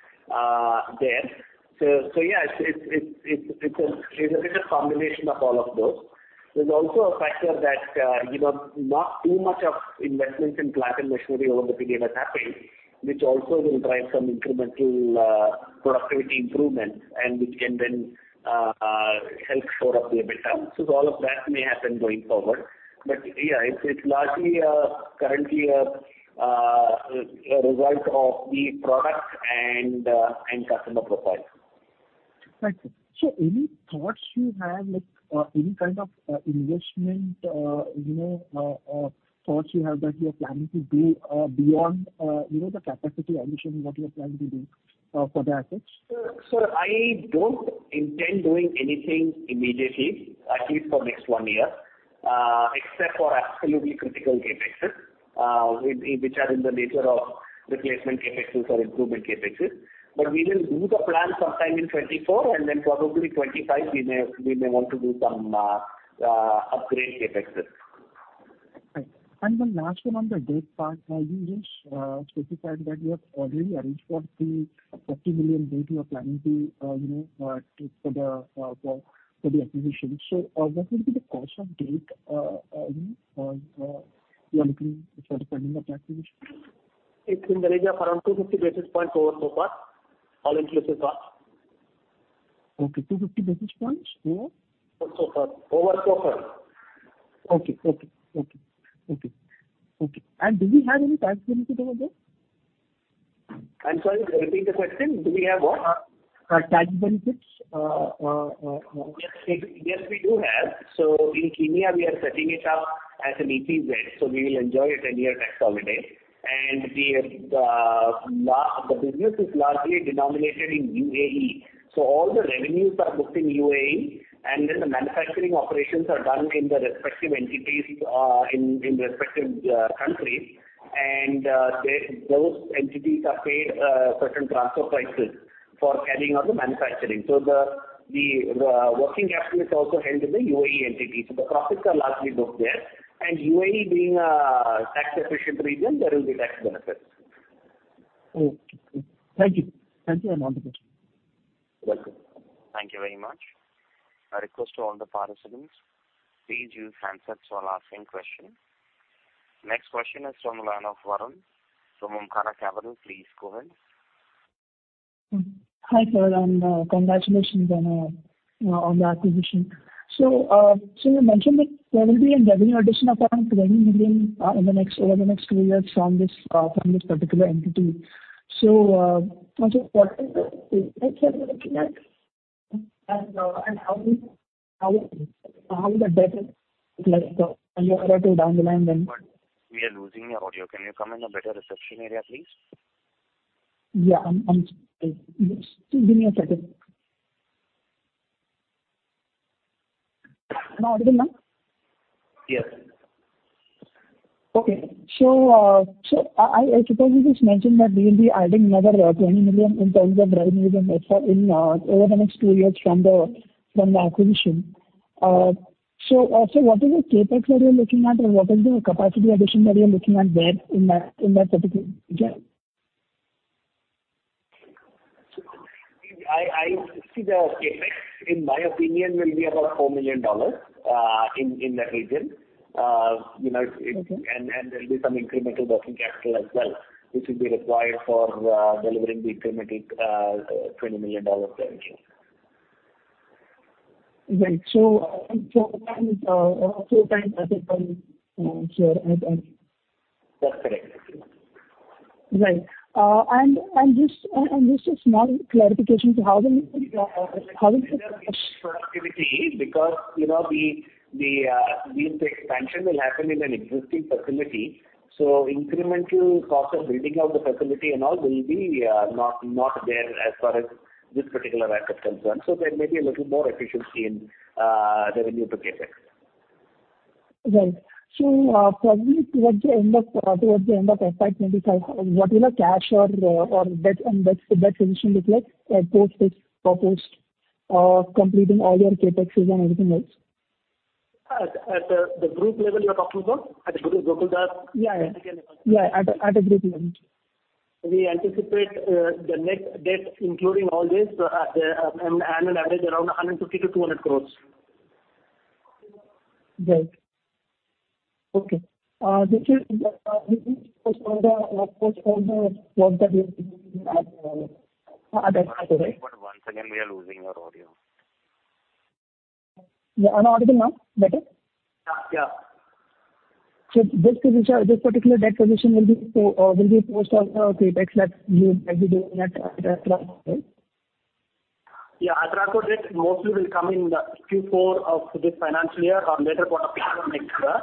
there. So yeah, it's a bit of a combination of all of those. There's also a factor that, you know, not too much of investments in plant and machinery over the period has happened, which also will drive some incremental productivity improvements and which can then help shore up the EBITDA. So all of that may happen going forward. But yeah, it's largely currently a result of the product and customer profile. Thank you. So any thoughts you have, like, any kind of investment, you know, or thoughts you have that you are planning to do, beyond, you know, the capacity ambition what you are planning to do, for the assets? Sir, so I don't intend doing anything immediately, at least for next one year, except for absolutely critical CapExes, which are in the nature of replacement CapExes or improvement CapExes. But we will do the plan sometime in 2024, and then probably 2025, we may want to do some upgrade CapExes. Right. And the last one on the debt part, you just specified that you have already arranged for the $40 million debt you are planning to, you know, take for the acquisition. So, what would be the cost of debt, you know, or you are looking for the funding of the acquisition? It's in the region of around 250 basis points over SOFR, all-inclusive cost. Okay. 250 basis points over? Over SOFR. Do we have any tax benefit over there? I'm sorry. Repeat the question. Do we have what? tax benefits, Yes. Yes, we do have. So in Kenya, we are setting it up as an EPZ, so we will enjoy a 10-year tax holiday. And the business is largely denominated in UAE. So all the revenues are booked in UAE, and then the manufacturing operations are done in the respective entities, in respective countries. And those entities are paid certain transfer prices for carrying out the manufacturing. So the working capital is also held in the UAE entities. So the profits are largely booked there. And UAE being a tax-efficient region, there will be tax benefits. Okay. Okay. Thank you. Thank you, and on to the questions. You're welcome. Thank you very much. A request to all the participants, please use hand raise while asking questions. Next question is from the line of Varun from Omkara Capital. Please go ahead. Hi, Sir. Congratulations on the acquisition. So you mentioned that there will be a revenue addition of around $20 million over the next two years from this particular entity. Also, what is the impact that you're looking at? How will that better look like a year or two down the line then? We are losing your audio. Can you come in a better reception area, please? Yeah. I'm, I'm sorry. Yes. Give me a second. No audio now? Yes. Okay. So, I suppose you just mentioned that we will be adding another $20 million in terms of revenues and effort over the next two years from the acquisition. So also, what is the CapEx that you're looking at, or what is the capacity addition that you're looking at there in that particular region? I see the CapEx, in my opinion, will be about $4 million, in that region. You know, it and there'll be some incremental working capital as well, which will be required for delivering the incremental $20 million there as well. Right. So it's a four-site asset plan, here? That's correct. Right. And just a small clarification to how will the. Increased productivity because, you know, the deal to expansion will happen in an existing facility. So incremental cost of building out the facility and all will be not there as far as this particular asset concerns. So there may be a little more efficiency in revenue to CapEx. Right. So, probably towards the end of FY 2025, what will a cash or debt and debt-to-debt position look like post this or post completing all your CapExes and everything else? At the group level you're talking about? At the group, Gokaldas? Yeah, yeah. Yeah. At the group level. We anticipate the net debt, including all this, at an annual average around 150 crores-200 crores. Right. Okay. This is post all the work that you're adding on it. That's correct, right? Sorry. But once again, we are losing your audio. Yeah. An audio now? Better? Yeah. Yeah. This particular debt position will be post all the CapEx that you might be doing at Atraco, right? Yeah. Atraco debt mostly will come in the Q4 of this financial year or later part of next year.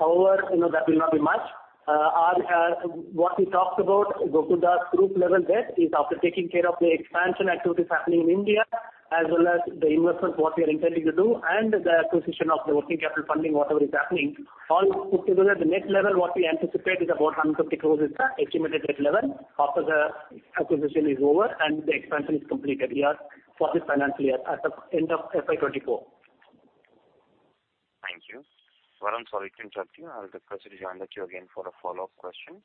However, you know, that will not be much. Our, what we talked about, Gokaldas group level debt is after taking care of the expansion activities happening in India as well as the investment what we are intending to do and the acquisition of the working capital funding, whatever is happening. All put together, the net level what we anticipate is about 150 crore is the estimated net level after the acquisition is over and the expansion is completed here for this financial year at the end of FY 2024. Thank you. Varun, sorry to interrupt you. I'll request to join with you again for a follow-up question.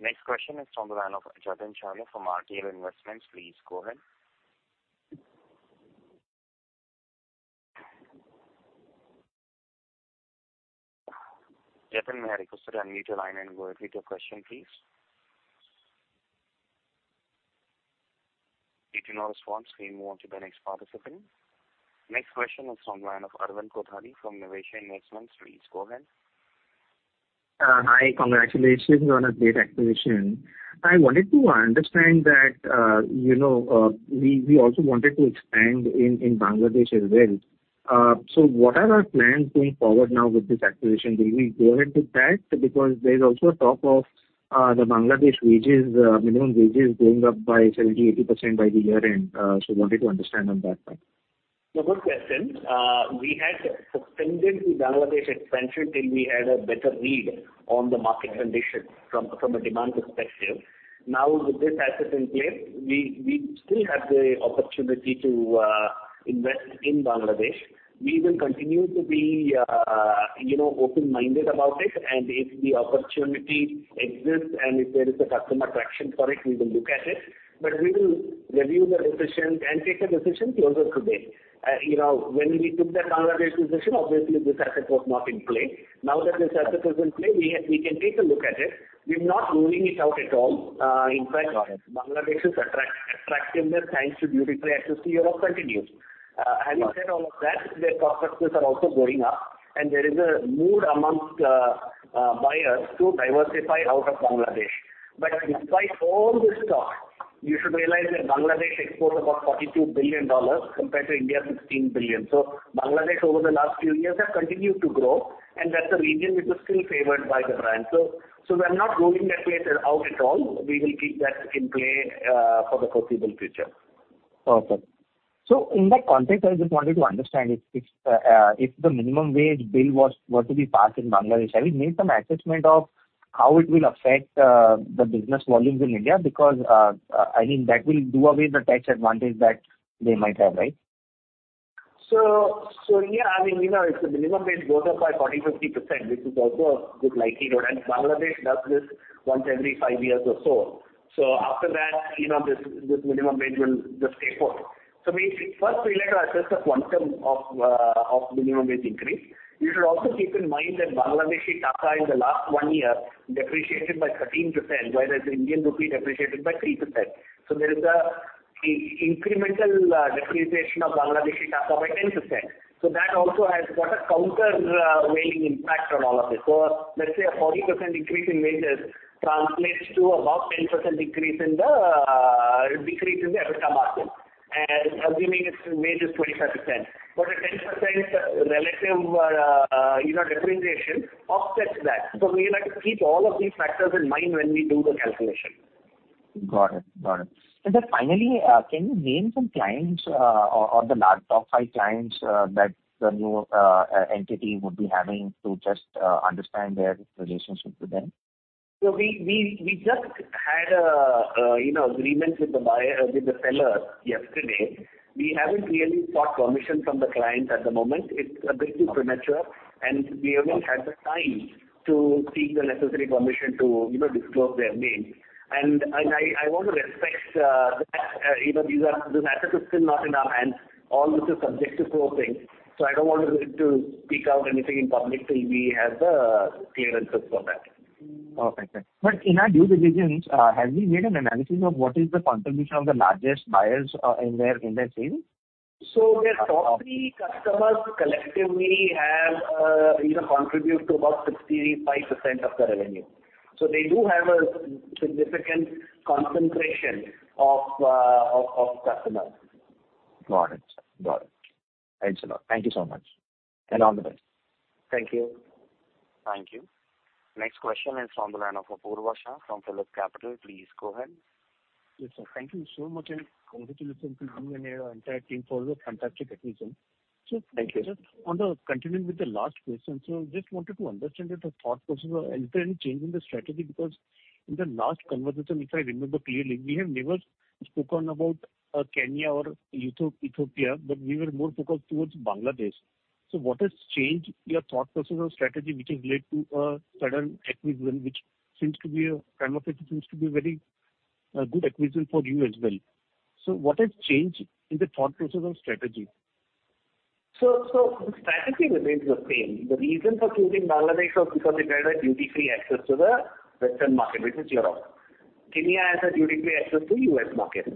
Next question is from the line of Jatin Chheda from RTL Investments. Please go ahead. Jatin, we have requested to unmute your line and go ahead with your question, please. If you do not respond, we move on to the next participant. Next question is from the line of Arvind Kothari from Niveshaay. Please go ahead. Hi. Congratulations on a great acquisition. I wanted to understand that, you know, we also wanted to expand in Bangladesh as well. What are our plans going forward now with this acquisition? Will we go ahead with that? Because there's also a talk of the Bangladesh wages, minimum wages going up by 70%-80% by the year-end. Wanted to understand on that part. So, good question. We had suspended the Bangladesh expansion till we had a better read on the market condition from a demand perspective. Now, with this asset in place, we still have the opportunity to invest in Bangladesh. We will continue to be, you know, open-minded about it. And if the opportunity exists and if there is a customer attraction for it, we will look at it. But we will review the decision and take a decision closer to date. You know, when we took that Bangladesh decision, obviously, this asset was not in play. Now that this asset is in play, we can take a look at it. We're not ruling it out at all. In fact. Go ahead. Bangladesh's attractiveness, thanks to duty-free access to Europe, continues. Having said all of that, their cost prices are also going up, and there is a mood amongst buyers to diversify out of Bangladesh. But despite all this talk, you should realize that Bangladesh exports about $42 billion compared to India's $16 billion. So Bangladesh, over the last few years, have continued to grow, and that's a region which is still favored by the brand. So we're not ruling that place out at all. We will keep that in play, for the foreseeable future. Awesome. So in that context, I just wanted to understand if the minimum wage bill was to be passed in Bangladesh, have you made some assessment of how it will affect the business volumes in India? Because, I mean, that will do away with the tax advantage that they might have, right? So yeah. I mean, you know, if the minimum wage goes up by 40%-50%, which is also a good likelihood, and Bangladesh does this once every five years or so. So after that, you know, this minimum wage will just stay put. So we first like to assess the quantum of minimum wage increase. You should also keep in mind that Bangladeshi taka in the last one year depreciated by 13%, whereas the Indian rupee depreciated by 3%. So there is an incremental depreciation of Bangladeshi taka by 10%. So that also has got a counterweighing impact on all of this. So let's say a 40% increase in wages translates to about 10% decrease in the EBITDA margin, assuming its wage is 25%. But a 10% relative, you know, depreciation offsets that. We like to keep all of these factors in mind when we do the calculation. Got it. Got it. And then finally, can you name some clients, or the last top five clients, that the new entity would be having to just understand their relationship with them? So we just had a you know agreement with the buyer with the seller yesterday. We haven't really sought permission from the client at the moment. It's a bit too premature, and we haven't had the time to seek the necessary permission to you know disclose their names. And I want to respect that you know these are this asset is still not in our hands. All this is subjective processing. So I don't want to speak out anything in public till we have the clearances for that. Okay. Thanks. But in our due diligence, have we made an analysis of what is the contribution of the largest buyers, in their sales? Their top three customers collectively have, you know, contributed to about 65% of the revenue. They do have a significant concentration of customers. Got it. Got it. Thanks a lot. Thank you so much. All the best. Thank you. Thank you. Next question is from the line of Apurva Shah from PhillipCapital. Please go ahead. Yes, sir. Thank you so much. And congratulations to you and your entire team for the fantastic acquisition. So. Thank you. Just on the continuing with the last question, sir, just wanted to understand your thought process or is there any change in the strategy? Because in the last conversation, if I remember clearly, we have never spoken about Kenya or Ethiopia, but we were more focused towards Bangladesh. So what has changed your thought process or strategy, which has led to a sudden acquisition, which seems to be a kind of it seems to be a very good acquisition for you as well? So what has changed in the thought process or strategy? So, so the strategy remains the same. The reason for choosing Bangladesh was because it had a duty-free access to the Western market, which is Europe. Kenya has a duty-free access to the US market.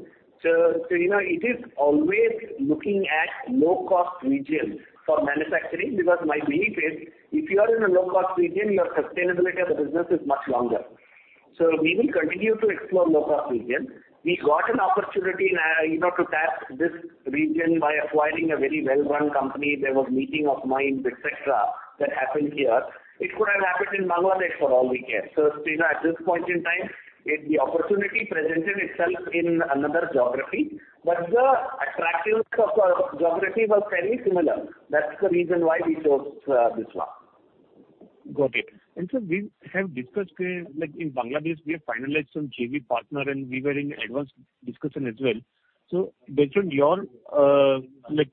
So, so, you know, it is always looking at low-cost regions for manufacturing because my belief is if you are in a low-cost region, your sustainability of the business is much longer. So we will continue to explore low-cost regions. We got an opportunity in, you know, to tap this region by acquiring a very well-run company. There was meeting of minds, etc., that happened here. It could have happened in Bangladesh for all we care. So, you know, at this point in time, it, the opportunity presented itself in another geography. But the attractiveness of the geography was fairly similar. That's the reason why we chose this one. Got it. And sir, we have discussed the like, in Bangladesh, we have finalized some JV partner, and we were in advanced discussion as well. So based on your, like,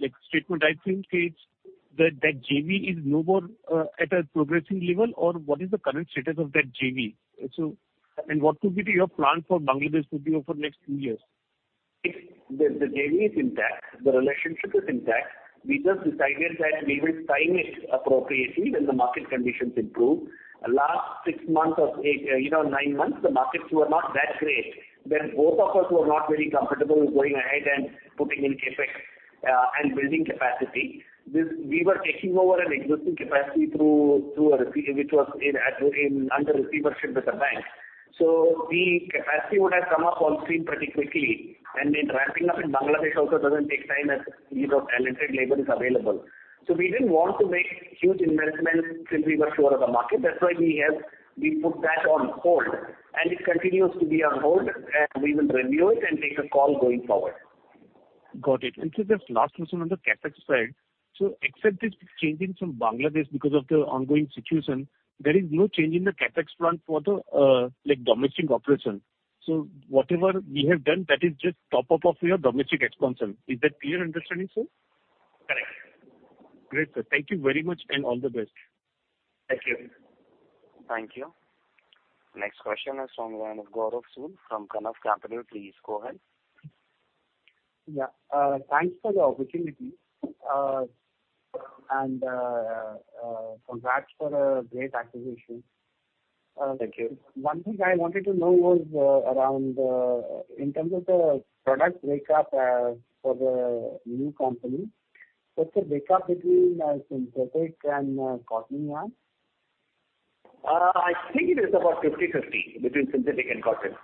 like, statement, I think it's that that JV is no more at a progressing level, or what is the current status of that JV? So and what could be your plan for Bangladesh would be over the next two years? It's the JV is intact. The relationship is intact. We just decided that we will sign it appropriately when the market conditions improve. Last 6 months of 8, you know, 9 months, the markets were not that great. Then both of us were not very comfortable going ahead and putting in CapEx, and building capacity. This we were taking over an existing capacity through a receiver which was under receivership with a bank. So the capacity would have come up on stream pretty quickly. And then ramping up in Bangladesh also doesn't take time as, you know, talented labor is available. So we didn't want to make huge investments till we were sure of the market. That's why we put that on hold. And it continues to be on hold. And we will review it and take a call going forward. Got it. And sir, just last question on the CapEx side. So except this changing from Bangladesh because of the ongoing situation, there is no change in the CapEx plan for the, like, domestic operation. So whatever we have done, that is just top-up of your domestic expenses. Is that clear understanding, sir? Correct. Great, sir. Thank you very much, and all the best. Thank you. Thank you. Next question is from the line of Gaurav Sood from Kanav Capital. Please go ahead. Yeah. Thanks for the opportunity. Congrats for a great acquisition. Thank you. One thing I wanted to know was, in terms of the product breakup for the new company, what's the breakup between synthetic and cotton yarn? I think it is about 50/50 between Synthetic and Cotton.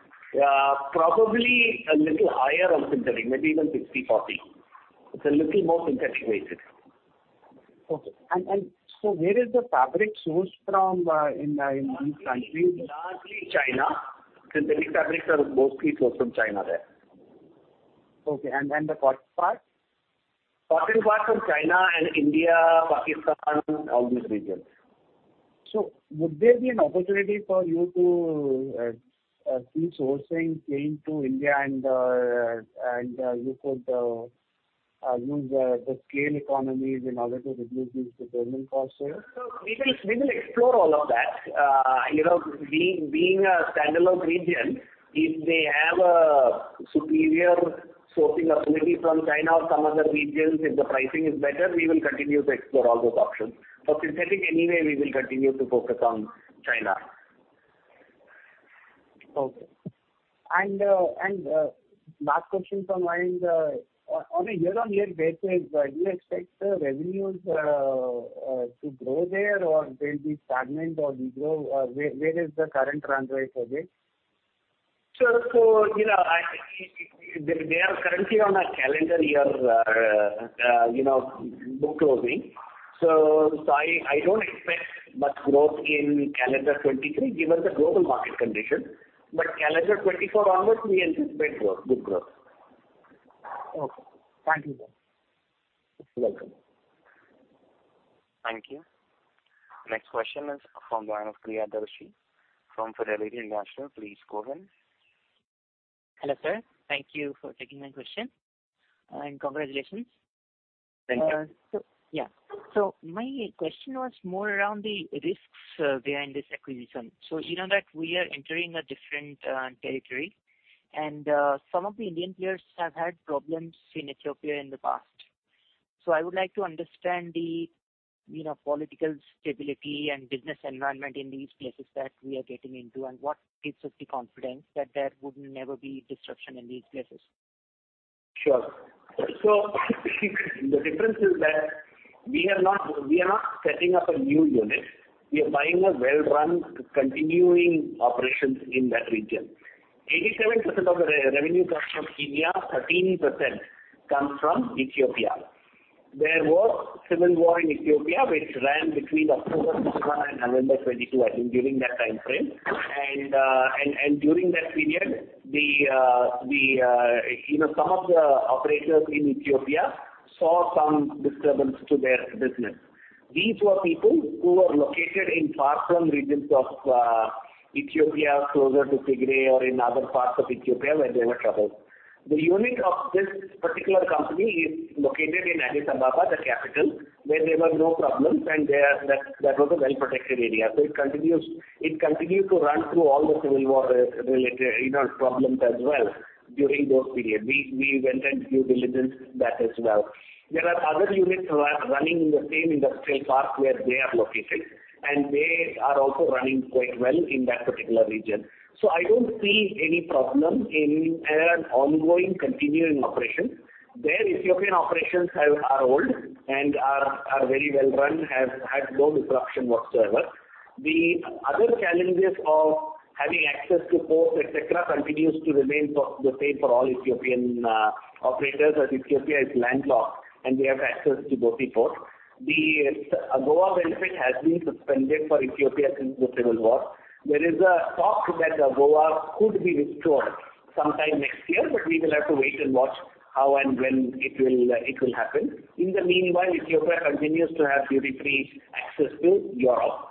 Probably a little higher on Synthetic, maybe even 60/40. It's a little more synthetic-weighted. Okay. So where is the fabric sourced from, in these countries? It's largely China. Synthetic fabrics are mostly sourced from China there. Okay. And the cotton part? Cotton part from China and India, Pakistan, all these regions. Would there be an opportunity for you to see sourcing came to India and you could use the scale economies in order to reduce these procurement costs here? We will explore all of that, you know, being a standalone region, if they have a superior sourcing ability from China or some other regions, if the pricing is better, we will continue to explore all those options. For Synthetic, anyway, we will continue to focus on China. Okay. And last question from Varun. On a year-on-year basis, do you expect the revenues to grow there, or they'll be stagnant, or they grow? Where is the current run rate today? So, you know, I think they are currently on a calendar year, you know, book closing. So, I don't expect much growth in calendar 2023 given the global market conditions. But calendar 2024 onwards, we anticipate growth, good growth. Okay. Thank you, sir. You're welcome. Thank you. Next question is from the line of Priyadarshini from Fidelity International. Please go ahead. Hello, sir. Thank you for taking my question. And congratulations. Thank you. Yeah. My question was more around the risks behind this acquisition. You know, that we are entering a different territory. Some of the Indian players have had problems in Ethiopia in the past. So I would like to understand the political stability and business environment in these places that we are getting into and what gives us the confidence that there would never be disruption in these places. Sure. So the difference is that we have not, we are not setting up a new unit. We are buying a well-run, continuing operation in that region. 87% of the revenue comes from Kenya, 13% comes from Ethiopia. There was civil war in Ethiopia, which ran between October 2021 and November 2022, I think, during that time frame. And during that period, the, you know, some of the operators in Ethiopia saw some disturbance to their business. These were people who were located in far-flung regions of Ethiopia, closer to Tigray or in other parts of Ethiopia where there were troubles. The unit of this particular company is located in Addis Ababa, the capital, where there were no problems, and that was a well-protected area. So it continues, it continued to run through all the civil war-related, you know, problems as well during those periods. We went and due diligenced that as well. There are other units running in the same industrial park where they are located, and they are also running quite well in that particular region. So I don't see any problem in an ongoing, continuing operation. Their Ethiopian operations are old and are very well-run, have no disruption whatsoever. The other challenges of having access to ports, etc., continue to remain the same for all Ethiopian operators as Ethiopia is landlocked, and they have access to both ports. The AGOA benefit has been suspended for Ethiopia since the civil war. There is a talk that AGOA could be restored sometime next year, but we will have to wait and watch how and when it will happen. In the meanwhile, Ethiopia continues to have duty-free access to Europe.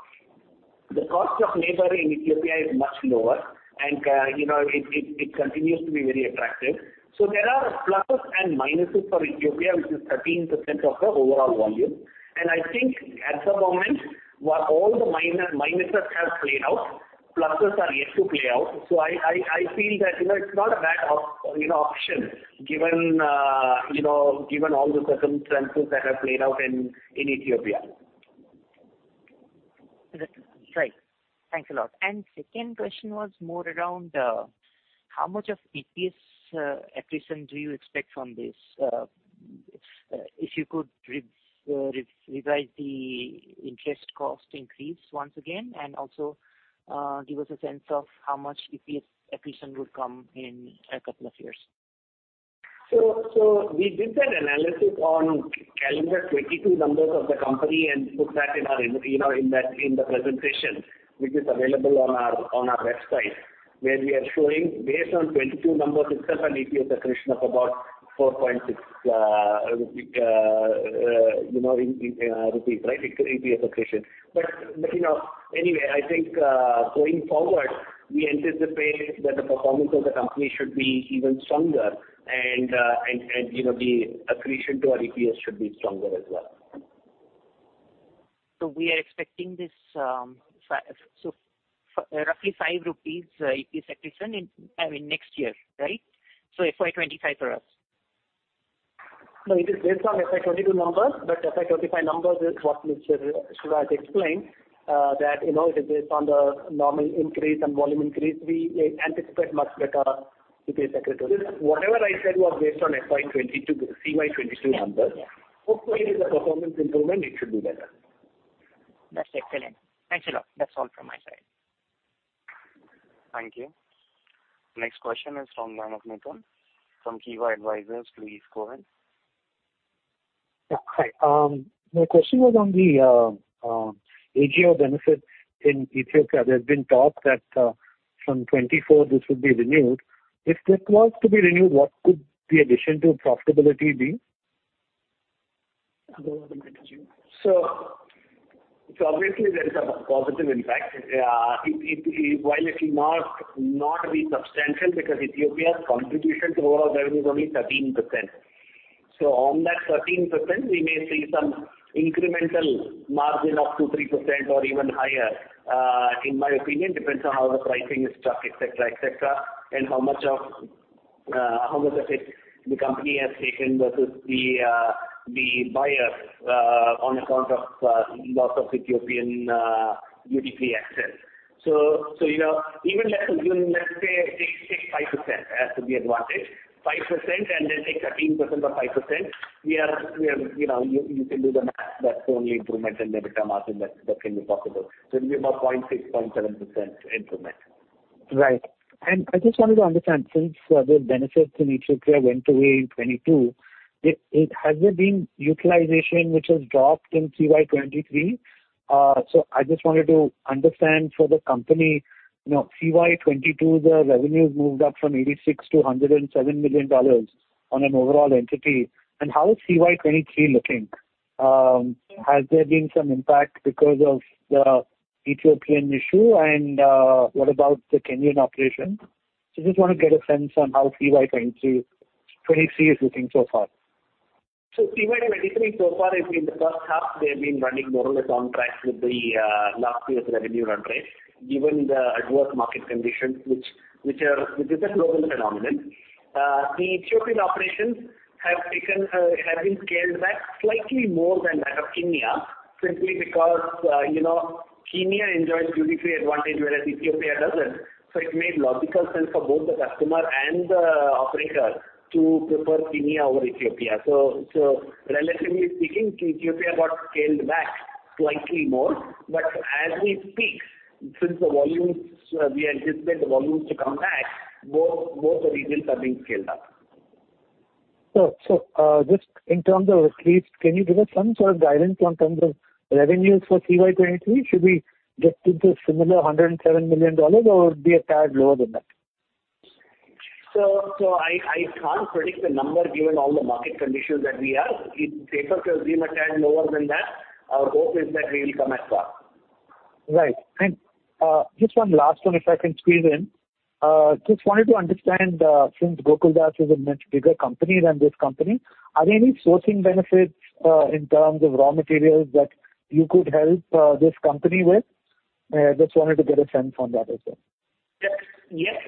The cost of labor in Ethiopia is much lower, and, you know, it continues to be very attractive. So there are pluses and minuses for Ethiopia, which is 13% of the overall volume. And I think at the moment, while all the minuses have played out, pluses are yet to play out. So I feel that, you know, it's not a bad option, you know, given all the circumstances that have played out in Ethiopia. That's great. Thanks a lot. Second question was more around how much of EPS acquisition do you expect from this, if you could revise the interest cost increase once again and also give us a sense of how much EPS acquisition would come in a couple of years? So we did that analysis on calendar 2022 numbers of the company and put that in our, you know, in that presentation, which is available on our website, where we are showing based on 2022 numbers itself, an EPS acquisition of about 4.6, you know, in rupees, right? EPS acquisition. But you know, anyway, I think going forward, we anticipate that the performance of the company should be even stronger. And you know, the acquisition to our EPS should be stronger as well. So we are expecting this, roughly 5 rupees EPS acquisition in, I mean, next year, right? So FY 2025 for us? No, it is based on FY 2022 numbers. But FY 2025 numbers, what Mr. Sathyamurthy explained, that, you know, it is based on the normal increase and volume increase. We anticipate much better EPS acquisition. Whatever I said was based on FY 2022 CY 2022 numbers. Hopefully, with the performance improvement, it should be better. That's excellent. Thanks a lot. That's all from my side. Thank you. Next question is from the line of Mithun from Kivah Advisors. Please go ahead. Yeah. Hi. My question was on the AGOA benefits in Ethiopia. There's been talk that, from 2024, this would be renewed. If this was to be renewed, what could the addition to profitability be? I'll go over the question to you. So it's obviously there's a positive impact. It while it cannot not be substantial because Ethiopia's contribution to overall revenue is only 13%. So on that 13%, we may see some incremental margin of 2%-3% or even higher. In my opinion, it depends on how the pricing is structured, etc., etc., and how much of it the company has taken versus the buyer, on account of loss of Ethiopian duty-free access. So, you know, even let's assume, say, take 5% as the advantage, 5%, and then take 13% or 5%. We are, you know, you can do the math. That's the only improvement in the return margin that can be possible. So it'll be about 0.6%-0.7% improvement. Right. And I just wanted to understand, since the benefits in Ethiopia went away in 2022, has there been utilization which has dropped in CY 2023? So I just wanted to understand for the company, you know, CY 2022, the revenues moved up from $86 million to $107 million on an overall entity. And how is CY 2023 looking? Has there been some impact because of the Ethiopian issue, and what about the Kenyan operation? So I just want to get a sense on how CY 2023 2023 is looking so far. So CY 2023 so far has been the first half, they have been running more or less on track with the last year's revenue run rate given the adverse market conditions, which is a global phenomenon. The Ethiopian operations have been scaled back slightly more than that of Kenya simply because, you know, Kenya enjoys duty-free advantage whereas Ethiopia doesn't. So it made logical sense for both the customer and the operator to prefer Kenya over Ethiopia. So relatively speaking, Ethiopia got scaled back slightly more. But as we speak, since the volumes we anticipate to come back, both the regions are being scaled up. So, just in terms of at least, can you give us some sort of guidance on terms of revenues for CY 2023? Should we get to the similar $107 million, or would be a tad lower than that? I can't predict the number given all the market conditions that we are. If we could assume a tad lower than that, our hope is that we will come as far. Right. Just one last one, if I can squeeze in. Just wanted to understand, since Gokaldas is a much bigger company than this company, are there any sourcing benefits, in terms of raw materials that you could help this company with? Just wanted to get a sense on that as well. Yep. Yes.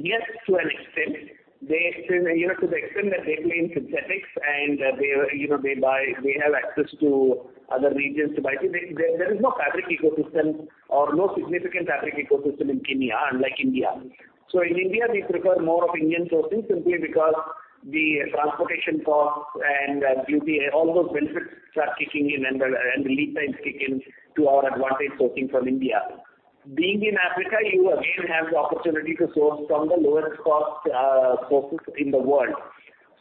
Yes, to an extent. They, you know, to the extent that they play in synthetics, and they, you know, they buy; they have access to other regions to buy them. There, there is no fabric ecosystem or no significant fabric ecosystem in Kenya unlike India. So in India, we prefer more of Indian sourcing simply because the transportation costs and duty all those benefits start kicking in and the and the lead times kick in to our advantage sourcing from India. Being in Africa, you again have the opportunity to source from the lowest cost sources in the world.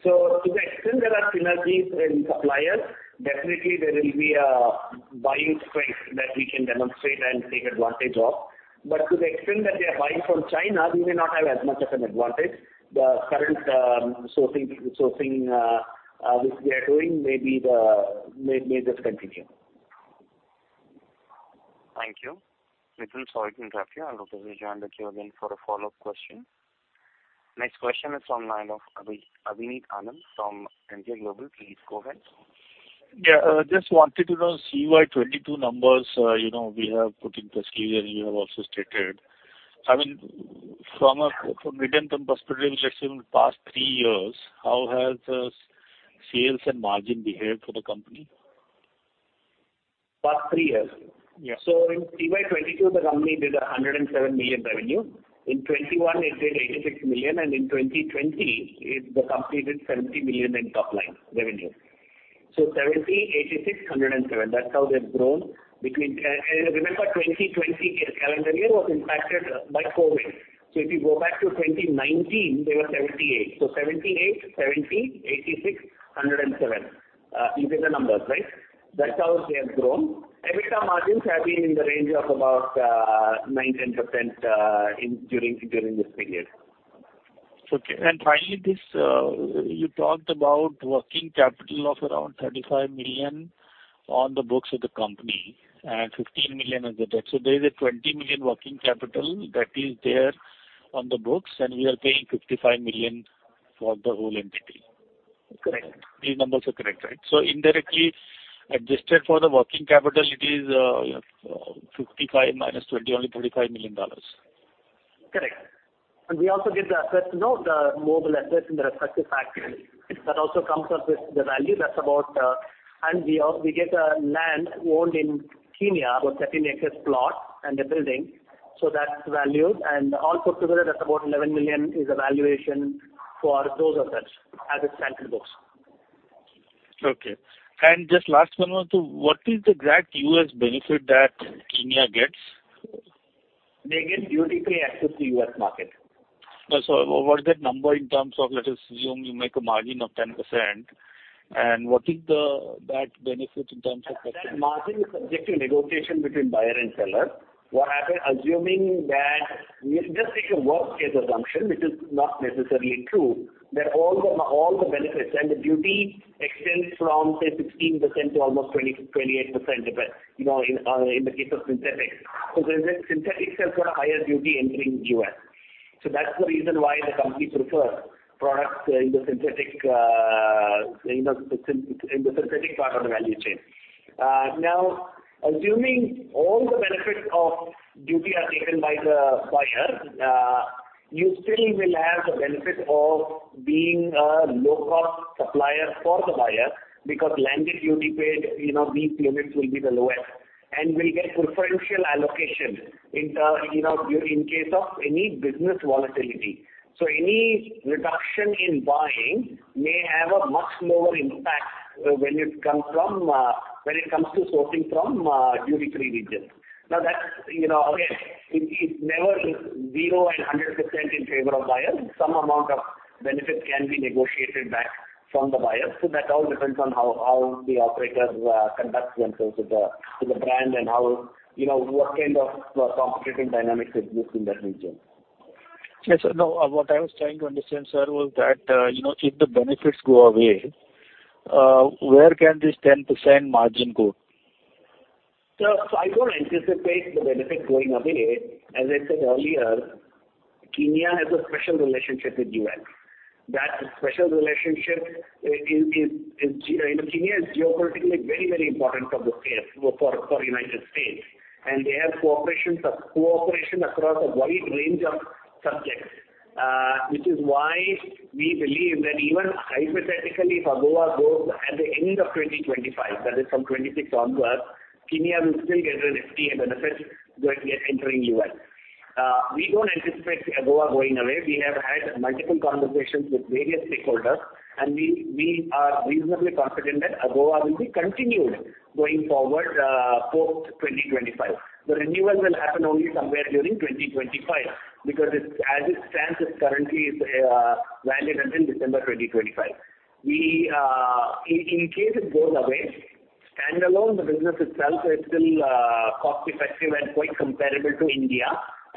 So to the extent there are synergies in suppliers, definitely there will be a buying strength that we can demonstrate and take advantage of. But to the extent that they are buying from China, we may not have as much of an advantage. The current sourcing, which they are doing, may be the way. May just continue. Thank you. Mithun, sorry to interrupt you. I'll look to rejoin the queue again for a follow-up question. Next question is from the line of Avneet from MJ Global. Please go ahead. Yeah. Just wanted to know CY 2022 numbers, you know, we have put in perspective, and you have also stated. I mean, from a medium-term perspective, let's say in the past three years, how has the sales and margin behaved for the company? Past three years? Yeah. So in CY 2022, the company did $107 million revenue. In 2021, it did $86 million. And in 2020, the company did $70 million in top-line revenue. So $70 million, $86 million, $107 million. That's how they've grown between. And, and remember, 2020 calendar year was impacted by COVID. So if you go back to 2019, they were $78 million. So $78 million, $70 million, $86 million, $107 million. You get the numbers, right? Mm-hmm. That's how they have grown. EBITDA margins have been in the range of about 9%-10% during this period. Okay. Finally, this, you talked about working capital of around $35 million on the books of the company and $15 million as the debt. There is a $20 million working capital that is there on the books, and we are paying $55 million for the whole entity. Correct. These numbers are correct, right? So indirectly adjusted for the working capital, it is, you know, 55 minus 20, only $45 million. Correct. We also get the assets—no, the movable assets and the four factories. That also comes up with the value. That's about, and we get a land owned in Kenya, about 13-acre plot and a building. So that's valued. And all put together, that's about $11 million is the valuation for those assets as it stands in the books. Okay. And just last one more too. What is the exact U.S. benefit that Kenya gets? They get duty-free access to the U.S. market. Oh, so what's that number in terms of? Let us assume you make a margin of 10%. And what is that benefit in terms of? That margin is subject to negotiation between buyer and seller. What happens assuming that we just take a worst-case assumption, which is not necessarily true, that all the benefits and the duty extends from, say, 16% to almost 20-28% depending, you know, in the case of synthetics. So synthetics has got a higher duty entering the U.S. So that's the reason why the company prefers products in the synthetic, you know, in the synthetic part of the value chain. Now, assuming all the benefits of duty are taken by the buyer, you still will have the benefit of being a low-cost supplier for the buyer because landed duty paid, you know, these limits will be the lowest and will get preferential allocation in, you know, in case of any business volatility. So any reduction in buying may have a much lower impact when it comes to sourcing from duty-free regions. Now, that's, you know, again, it never is 0 and 100% in favor of buyers. Some amount of benefit can be negotiated back from the buyer. So that all depends on how the operators conduct themselves with the brand and how, you know, what kind of competitive dynamics exist in that region. Yes. No, what I was trying to understand, sir, was that, you know, if the benefits go away, where can this 10% margin go? So, I don't anticipate the benefit going away. As I said earlier, Kenya has a special relationship with the U.S. That special relationship is, you know, Kenya is geopolitically very, very important for the States for United States. And they have cooperation across a wide range of subjects, which is why we believe that even hypothetically, if AGOA goes at the end of 2025, that is from 2026 onward, Kenya will still get an FTA benefit going entering the U.S. We don't anticipate AGOA going away. We have had multiple conversations with various stakeholders, and we are reasonably confident that AGOA will be continued going forward, post-2025. The renewal will happen only somewhere during 2025 because it's as it stands, it's currently valid until December 2025. Well, in case it goes away, standalone, the business itself is still cost-effective and quite comparable to India.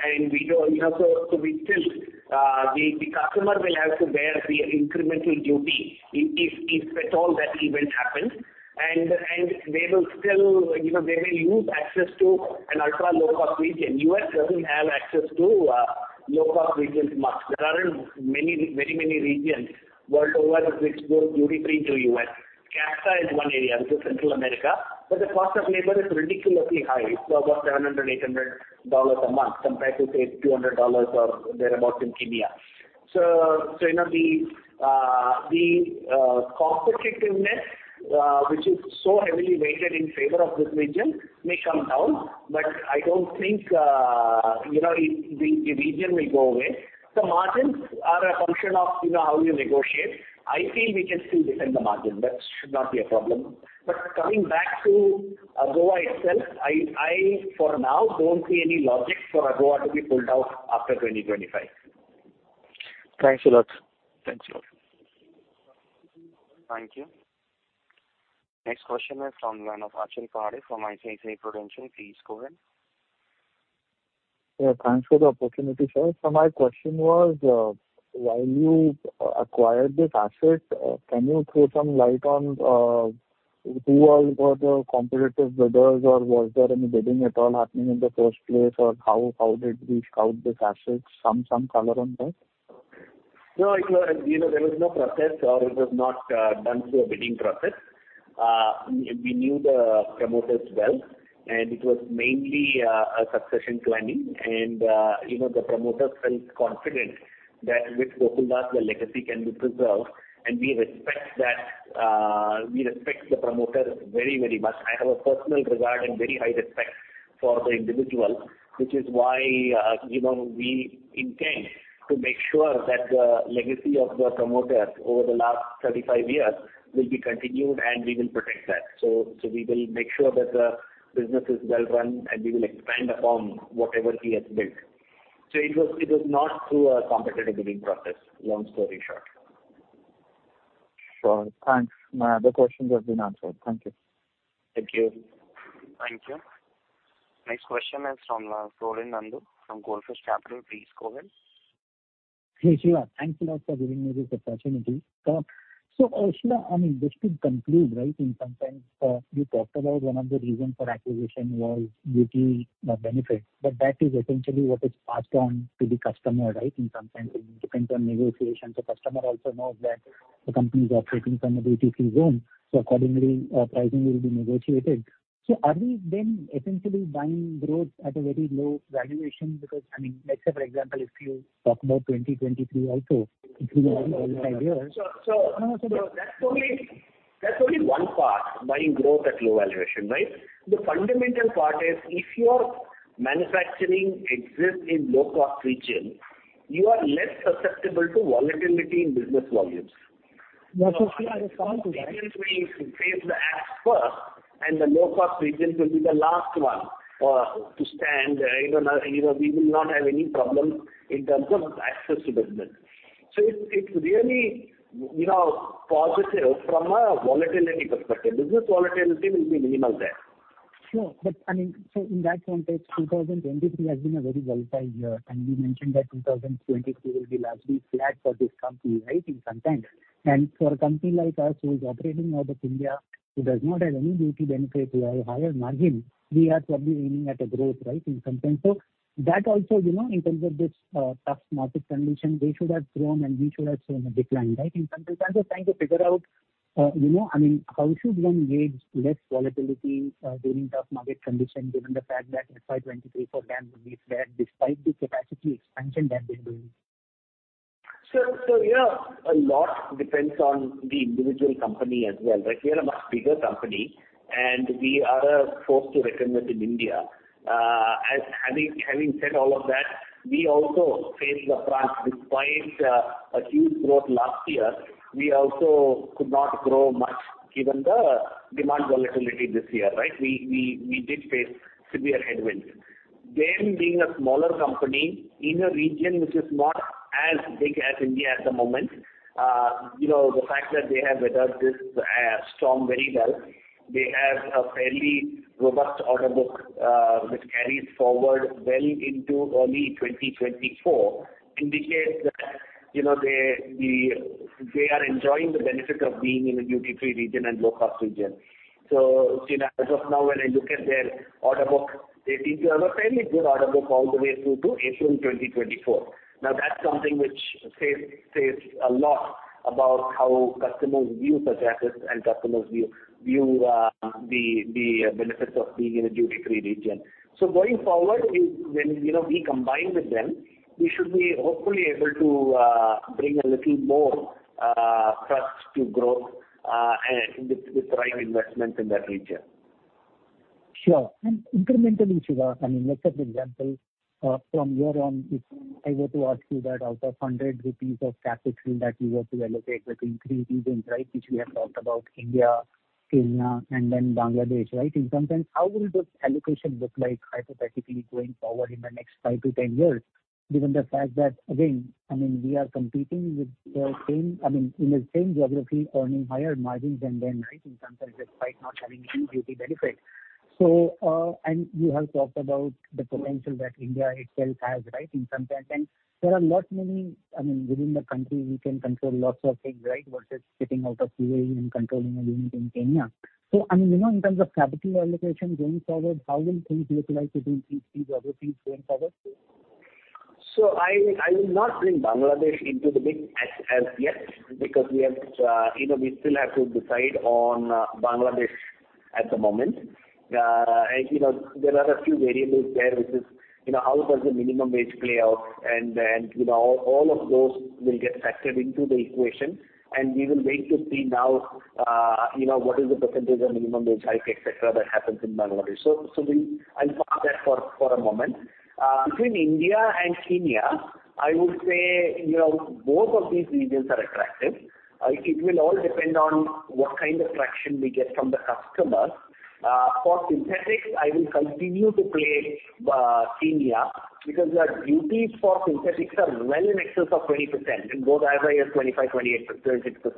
And we don't, you know, so we still, the customer will have to bear the incremental duty if, if at all that event happens. And they will still, you know, they may lose access to an ultra-low-cost region. The US doesn't have access to low-cost regions much. There aren't very many regions worldwide which go duty-free to the US. CAFTA is one area, which is Central America. But the cost of labor is ridiculously high. It's about $700-$800 a month compared to, say, $200 or thereabouts in Kenya. So, you know, the competitiveness, which is so heavily weighted in favor of this region may come down. But I don't think, you know, the region will go away. The margins are a function of, you know, how you negotiate. I feel we can still defend the margin. That should not be a problem. But coming back to AGOA itself, I for now don't see any logic for AGOA to be pulled out after 2025. Thanks a lot. Thanks a lot. Thank you. Next question is from the line of Akhil Parekh from ICICI Prudential. Please go ahead. Yeah. Thanks for the opportunity, sir. So my question was, while you acquired this asset, can you throw some light on who all were the competitive bidders, or was there any bidding at all happening in the first place, or how did we scout this asset? Some color on that? No, it was you know, there was no process, or it was not done through a bidding process. We knew the promoters well. And it was mainly a succession planning. And, you know, the promoters felt confident that with Gokaldas, the legacy can be preserved. And we respect that, we respect the promoters very, very much. I have a personal regard and very high respect for the individual, which is why, you know, we intend to make sure that the legacy of the promoters over the last 35 years will be continued, and we will protect that. So, so we will make sure that the business is well run, and we will expand upon whatever he has built. So it was it was not through a competitive bidding process, long story short. Sure. Thanks. My other questions have been answered. Thank you. Thank you. Thank you. Next question is from Pralin Nandu from Goldfish Capital. Please go ahead. Hey, Shiva. Thanks a lot for giving me this opportunity. So, so Ashila, I mean, just to conclude, right, in some sense, you talked about one of the reasons for acquisition was duty benefit. But that is essentially what is passed on to the customer, right, in some sense. I mean, depends on negotiations. The customer also knows that the company is operating from a duty-free zone. So accordingly, pricing will be negotiated. So are we then essentially buying growth at a very low valuation because I mean, let's say, for example, if you talk about 2023 also, it's been a very volatile year. So that's only one part, buying growth at low valuation, right? The fundamental part is if your manufacturing exists in low-cost regions, you are less susceptible to volatility in business volumes. Yeah. So, Shiva, just coming to that. Low-cost regions will face the asks first, and the low-cost regions will be the last one to stand. You know, you know, we will not have any problems in terms of access to business. So it's, it's really, you know, positive from a volatility perspective. Business volatility will be minimal there. Sure. But I mean, so in that context, 2023 has been a very volatile year. You mentioned that 2023 will be largely flat for this company, right, in some sense. For a company like us who is operating out of India, who does not have any duty benefit or higher margin, we are probably aiming at a growth, right, in some sense. So that also, you know, in terms of this, tough market condition, they should have grown, and we should have shown a decline, right, in some sense. I'm just trying to figure out, you know, I mean, how should one gauge less volatility, during tough market condition given the fact that FY 2023 for them would be flat despite the capacity expansion that they're doing? So yeah, a lot depends on the individual company as well, right? We are a much bigger company, and we are a force to reckon with in India. Having said all of that, we also faced the brunt. Despite a huge growth last year, we also could not grow much given the demand volatility this year, right? We did face severe headwinds. Them being a smaller company in a region which is not as big as India at the moment, you know, the fact that they have weathered this storm very well, they have a fairly robust order book, which carries forward well into early 2024, indicates that, you know, they are enjoying the benefit of being in a duty-free region and low-cost region. So, Shiva, as of now, when I look at their order book, they seem to have a fairly good order book all the way through to April 2024. Now, that's something which says a lot about how customers view such assets and customers view the benefits of being in a duty-free region. So going forward, if when, you know, we combine with them, we should be hopefully able to bring a little more trust to growth, and with the right investments in that region. Sure. Incrementally, Shiva, I mean, let's say, for example, from your own, if I were to ask you that out of 100 rupees of capital that you were to allocate between three regions, right, which we have talked about, India, Kenya, and then Bangladesh, right, in some sense, how will this allocation look like hypothetically going forward in the next 5-10 years given the fact that, again, I mean, we are competing with the same I mean, in the same geography, earning higher margins than them, right, in some sense despite not having any duty benefit? You have talked about the potential that India itself has, right, in some sense. There are not many I mean, within the country, we can control lots of things, right, versus sitting out of UAE and controlling a unit in Kenya. So, I mean, you know, in terms of capital allocation going forward, how will things look like between these three geographies going forward? So I mean, I will not bring Bangladesh into the big ask as yet because we have, you know, we still have to decide on Bangladesh at the moment. You know, there are a few variables there, which is, you know, how does the minimum wage play out? And, you know, all of those will get factored into the equation. And we will wait to see now, you know, what is the percentage of minimum wage hike, etc., that happens in Bangladesh. So, we'll park that for a moment. Between India and Kenya, I would say, you know, both of these regions are attractive. It will all depend on what kind of traction we get from the customers. For synthetics, I will continue to play Kenya because the duties for synthetics are well in excess of 20% and go higher by 25%, 28%, 26%.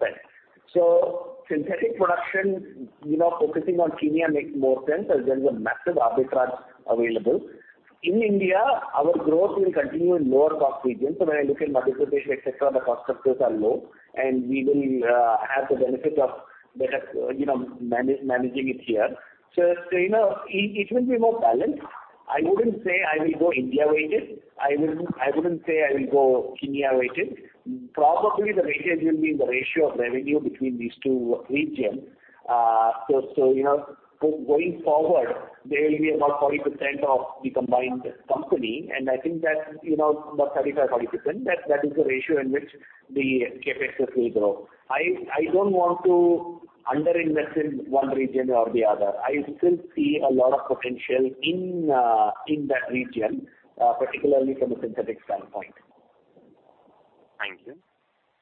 So synthetic production, you know, focusing on Kenya makes more sense as there's a massive arbitrage available. In India, our growth will continue in lower-cost regions. So when I look at multiplication, etc., the cost factors are low. And we will have the benefit of better, you know, managing it here. So you know, it will be more balanced. I wouldn't say I will go India-weighted. I wouldn't say I will go Kenya-weighted. Probably, the weightage will be in the ratio of revenue between these two regions. So you know, going forward, there will be about 40% of the combined company. And I think that, you know, about 35%-40%, that is the ratio in which the CapExes will grow. I don't want to underinvest in one region or the other. I still see a lot of potential in that region, particularly from a synthetic standpoint. Thank you.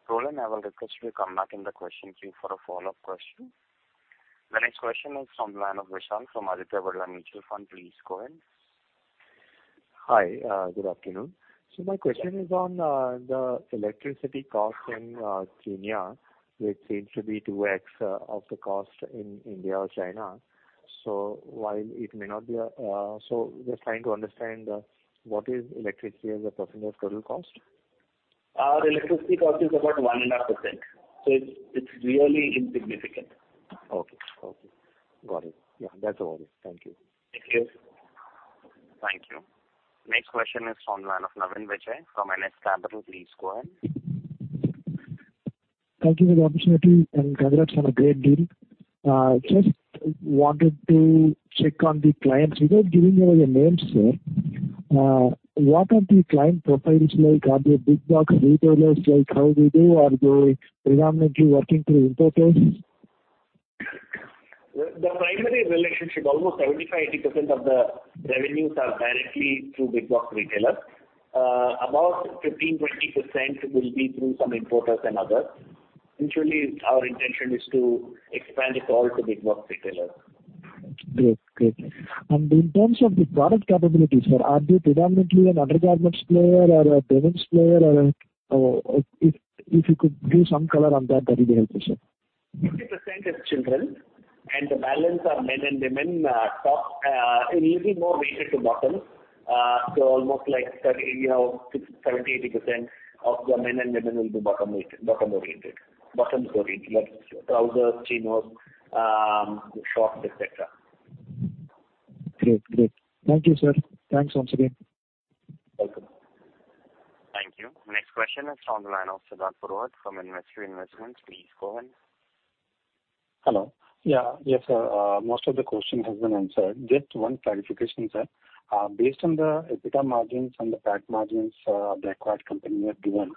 Roland, I will request you to come back in the question queue for a follow-up question. The next question is from the line of Vishal from Aditya Birla Sun Life Mutual Fund. Please go ahead. Hi. Good afternoon. So my question is on the electricity cost in Kenya, which seems to be 2X of the cost in India or China. So while it may not be a, so just trying to understand, what is electricity as a percentage of total cost? Our electricity cost is about 1.5%. So it's, it's really insignificant. Okay. Okay. Got it. Yeah. That's all. Thank you. Thank you. Thank you. Next question is from the line of Naveen Vijay from NS Capital. Please go ahead. Thank you for the opportunity, and congrats on a great deal. Just wanted to check on the clients. Without giving you all your names, sir, what are the client profiles like? Are they big-box retailers like how we do, or are they predominantly working through importers? The primary relationship—almost 75%-80% of the revenues are directly through big-box retailers. About 15%-20% will be through some importers and others. Eventually, our intention is to expand it all to big-box retailers. Great. Great. And in terms of the product capabilities, sir, are they predominantly an undergarments player or a payments player or oh, if you could give some color on that, that would be helpful, sir. 50% is children. And the balance are men and women, top, a little more weighted to bottom. So almost like 70%, you know, 60%, 70%, 80% of the men and women will be bottom-weighted, bottom-oriented, bottoms-oriented, like trousers, chinos, shorts, etc. Great. Great. Thank you, sir. Thanks once again. Welcome. Thank you. Next question is from the line of Siddharth Purohit from InvesQ Investment Advisors Pvt Ltd. Please go ahead. Hello. Yeah. Yes, sir. Most of the question has been answered. Just one clarification, sir. Based on the EBITDA margins and the PAT margins the acquired company has given,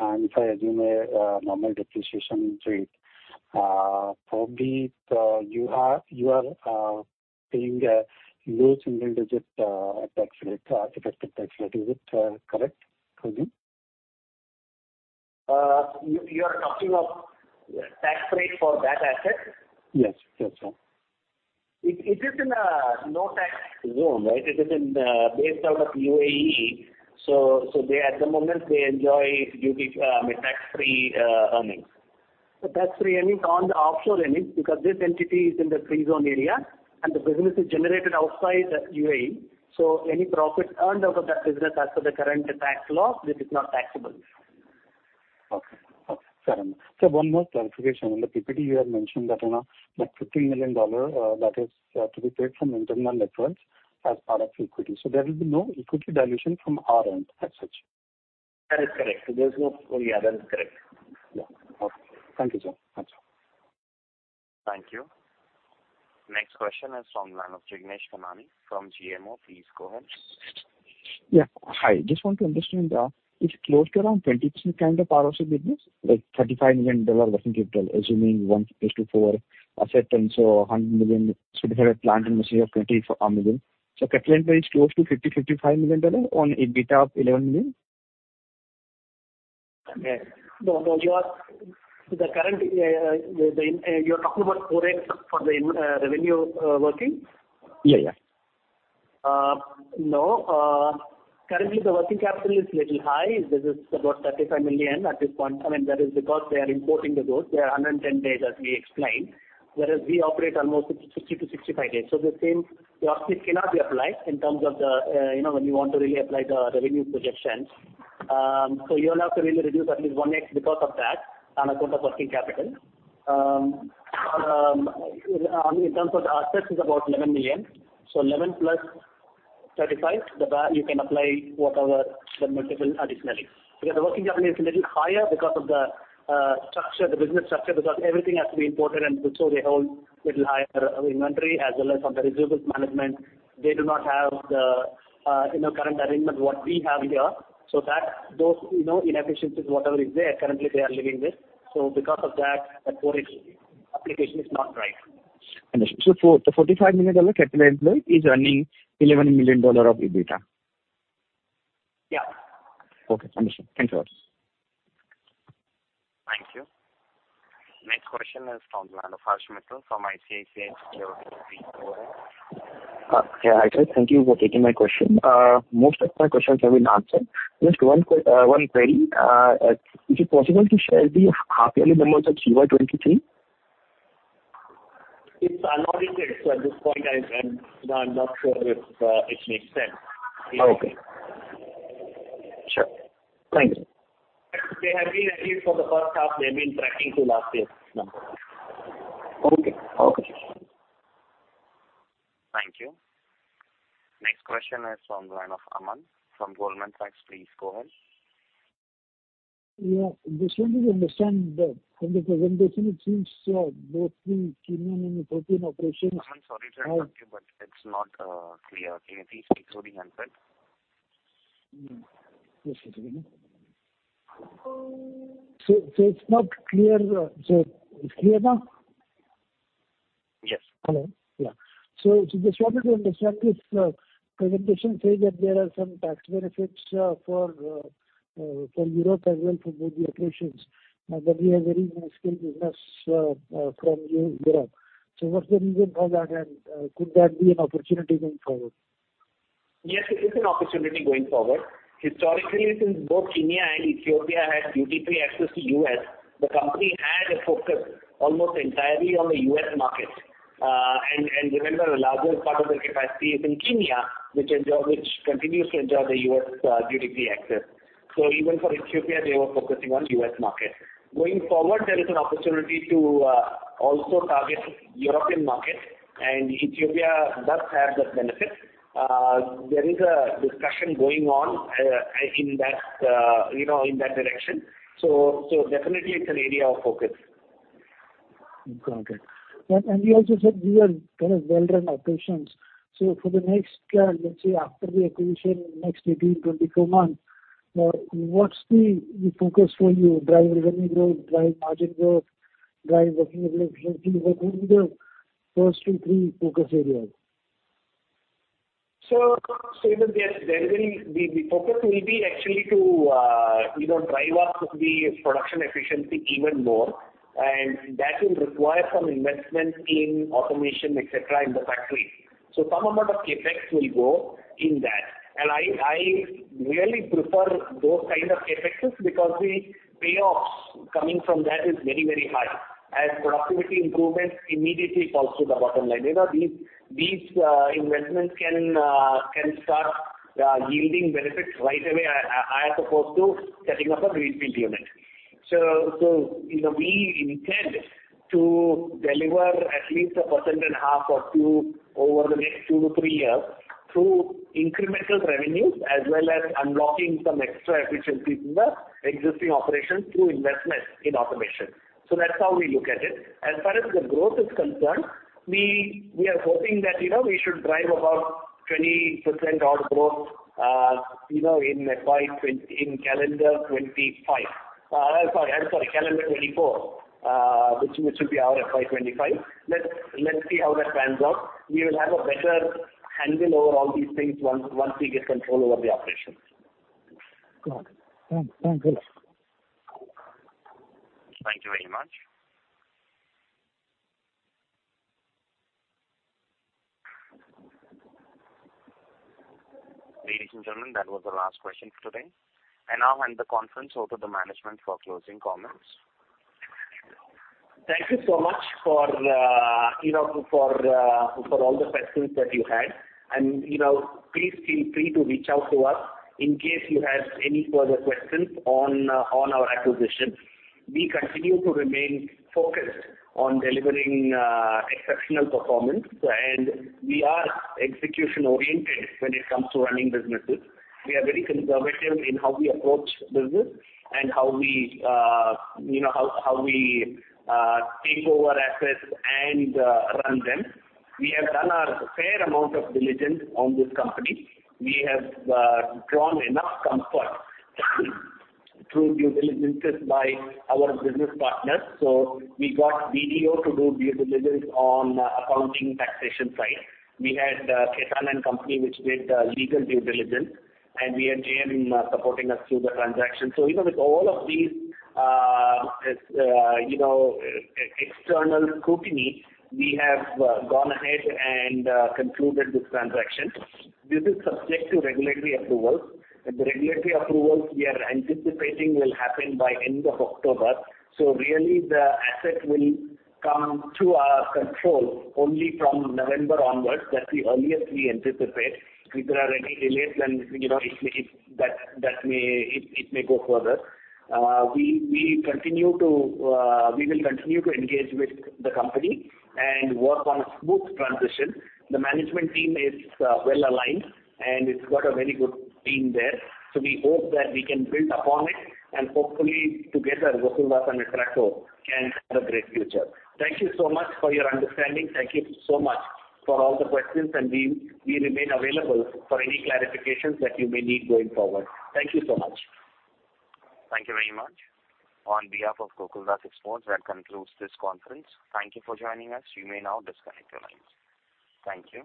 and if I assume a normal depreciation rate, probably you are you are paying a low single-digit tax rate, effective tax rate. Is it correct? Pardon? You are talking of tax rate for that asset? Yes. Yes, sir. It is in a low-tax zone, right? It is based out of UAE. So, at the moment, they enjoy duty, I mean, tax-free earnings. Tax-free earnings on the offshore earnings because this entity is in the free zone area, and the business is generated outside UAE. So any profit earned out of that business as per the current tax law, it is not taxable. Okay. Okay. Fair enough. So one more clarification. In the PPD, you have mentioned that, you know, like $15 million, that is, to be paid from internal net worth as part of equity. So there will be no equity dilution from our end as such? That is correct. There's no yeah, that is correct. Yeah. Okay. Thank you, sir. That's all. Thank you. Next question is from the line of Jignesh Kamani from GMO. Please go ahead. Yeah. Hi. Just want to understand, it's close to around 20% kind of ROC business, like $35 million working capital, assuming 1:4 asset and so $100 million should have a planned capacity of $24 million. So capital employed close to $50-$55 million on EBITDA of $11 million? I mean, no, no. You are the current, the you are talking about 4x for the revenue working? Yeah. Yeah. No. Currently, the working capital is a little high. This is about $35 million at this point. I mean, that is because they are importing the goods. They are 110 days, as we explained, whereas we operate almost 60-65 days. So the same option cannot be applied in terms of the, you know, when you want to really apply the revenue projections. So you'll have to really reduce at least 1x because of that on account of working capital. On, in terms of the assets, it's about $11 million. So 11 plus 35, then you can apply whatever the multiple additionally because the working capital is a little higher because of the, structure, the business structure, because everything has to be imported, and so they hold a little higher inventory as well as on the receivables management. They do not have the, you know, current arrangement what we have here. So that those, you know, inefficiencies, whatever is there, currently, they are living with. So because of that, that 4X application is not right. Understood. So for the $45 million capital employed, it is earning $11 million of EBITDA? Yeah. Okay. Understood. Thank you very much. Thank you. Next question is from the line of Harsh Mittal from ICICI Securities. Please go ahead. Yeah, hi Siva. Thank you for taking my question. Most of my questions have been answered. Just one query. Is it possible to share the half-yearly numbers of CY23? It's unaudited, so at this point, I'm not sure if it makes sense. Oh, okay. Sure. Thank you. They have been added for the first half. They have been tracking to last year's number. Okay. Okay. Thank you. Next question is from the line of Aman from Goldman Sachs. Please go ahead. Yes. Just wanted to understand, from the presentation, it seems, both the Kenya and Ethiopian operations. Aman, sorry to interrupt you, but it's not clear. Can you please speak through the handset? Yes. Yes, sir. So, so it's not clear, so it's clear now? Yes. Hello? Yeah. So just wanted to understand this, presentation says that there are some tax benefits for Europe as well for both the operations, that we have very small-scale business from Europe. So what's the reason for that, and could that be an opportunity going forward? Yes, it is an opportunity going forward. Historically, since both Kenya and Ethiopia had duty-free access to the U.S., the company had a focus almost entirely on the U.S. market. And remember, the largest part of their capacity is in Kenya, which continues to enjoy the U.S. duty-free access. So even for Ethiopia, they were focusing on the U.S. market. Going forward, there is an opportunity to also target the European market. And Ethiopia does have that benefit. There is a discussion going on, in that, you know, in that direction. So definitely, it's an area of focus. Got it. And you also said you are kind of well-run operations. So for the next, let's say, after the acquisition, next 18, 24 months, what's the focus for you? Drive revenue growth, drive margin growth, drive working efficiency? What would be the first to three focus areas? So you know, there will be the focus actually to, you know, drive up the production efficiency even more. And that will require some investment in automation, etc., in the factories. So some amount of CapEx will go in that. And I really prefer those kind of CapExes because the payoffs coming from that is very, very high as productivity improvements immediately fall through the bottom line. You know, these investments can start yielding benefits right away, as opposed to setting up a greenfield unit. So you know, we intend to deliver at least 1.5% or 2% over the next 2-3 years through incremental revenues as well as unlocking some extra efficiencies in the existing operations through investment in automation. So that's how we look at it. As far as the growth is concerned, we are hoping that, you know, we should drive about 20% odd growth, you know, in FY 2020 in calendar 2024. Sorry. I'm sorry. Calendar 2024, which will be our FY 2025. Let's see how that pans out. We will have a better handle over all these things once we get control over the operations. Got it. Thanks. Thanks, Willis. Thank you very much. Ladies and gentlemen, that was the last question for today. I now hand the conference over to the management for closing comments. Thank you so much, you know, for all the questions that you had. And, you know, please feel free to reach out to us in case you have any further questions on our acquisition. We continue to remain focused on delivering exceptional performance. And we are execution-oriented when it comes to running businesses. We are very conservative in how we approach business and how we, you know, take over assets and run them. We have done our fair amount of diligence on this company. We have drawn enough comfort through due diligences by our business partners. So we got BDO to do due diligence on the accounting taxation side. We had Khaitan & Co, which did legal due diligence. And we had JM supporting us through the transaction. So, you know, with all of these, you know, external scrutiny, we have gone ahead and concluded this transaction. This is subject to regulatory approvals. And the regulatory approvals we are anticipating will happen by end of October. So really, the asset will come to our control only from November onwards. That's the earliest we anticipate. If there are any delays, then, you know, it may go further. We will continue to engage with the company and work on a smooth transition. The management team is well-aligned, and it's got a very good team there. So we hope that we can build upon it. And hopefully, together, Gokaldas and Atraco can have a great future. Thank you so much for your understanding. Thank you so much for all the questions. We remain available for any clarifications that you may need going forward. Thank you so much. Thank you very much. On behalf of Gokaldas Exports, that concludes this conference. Thank you for joining us. You may now disconnect your lines. Thank you.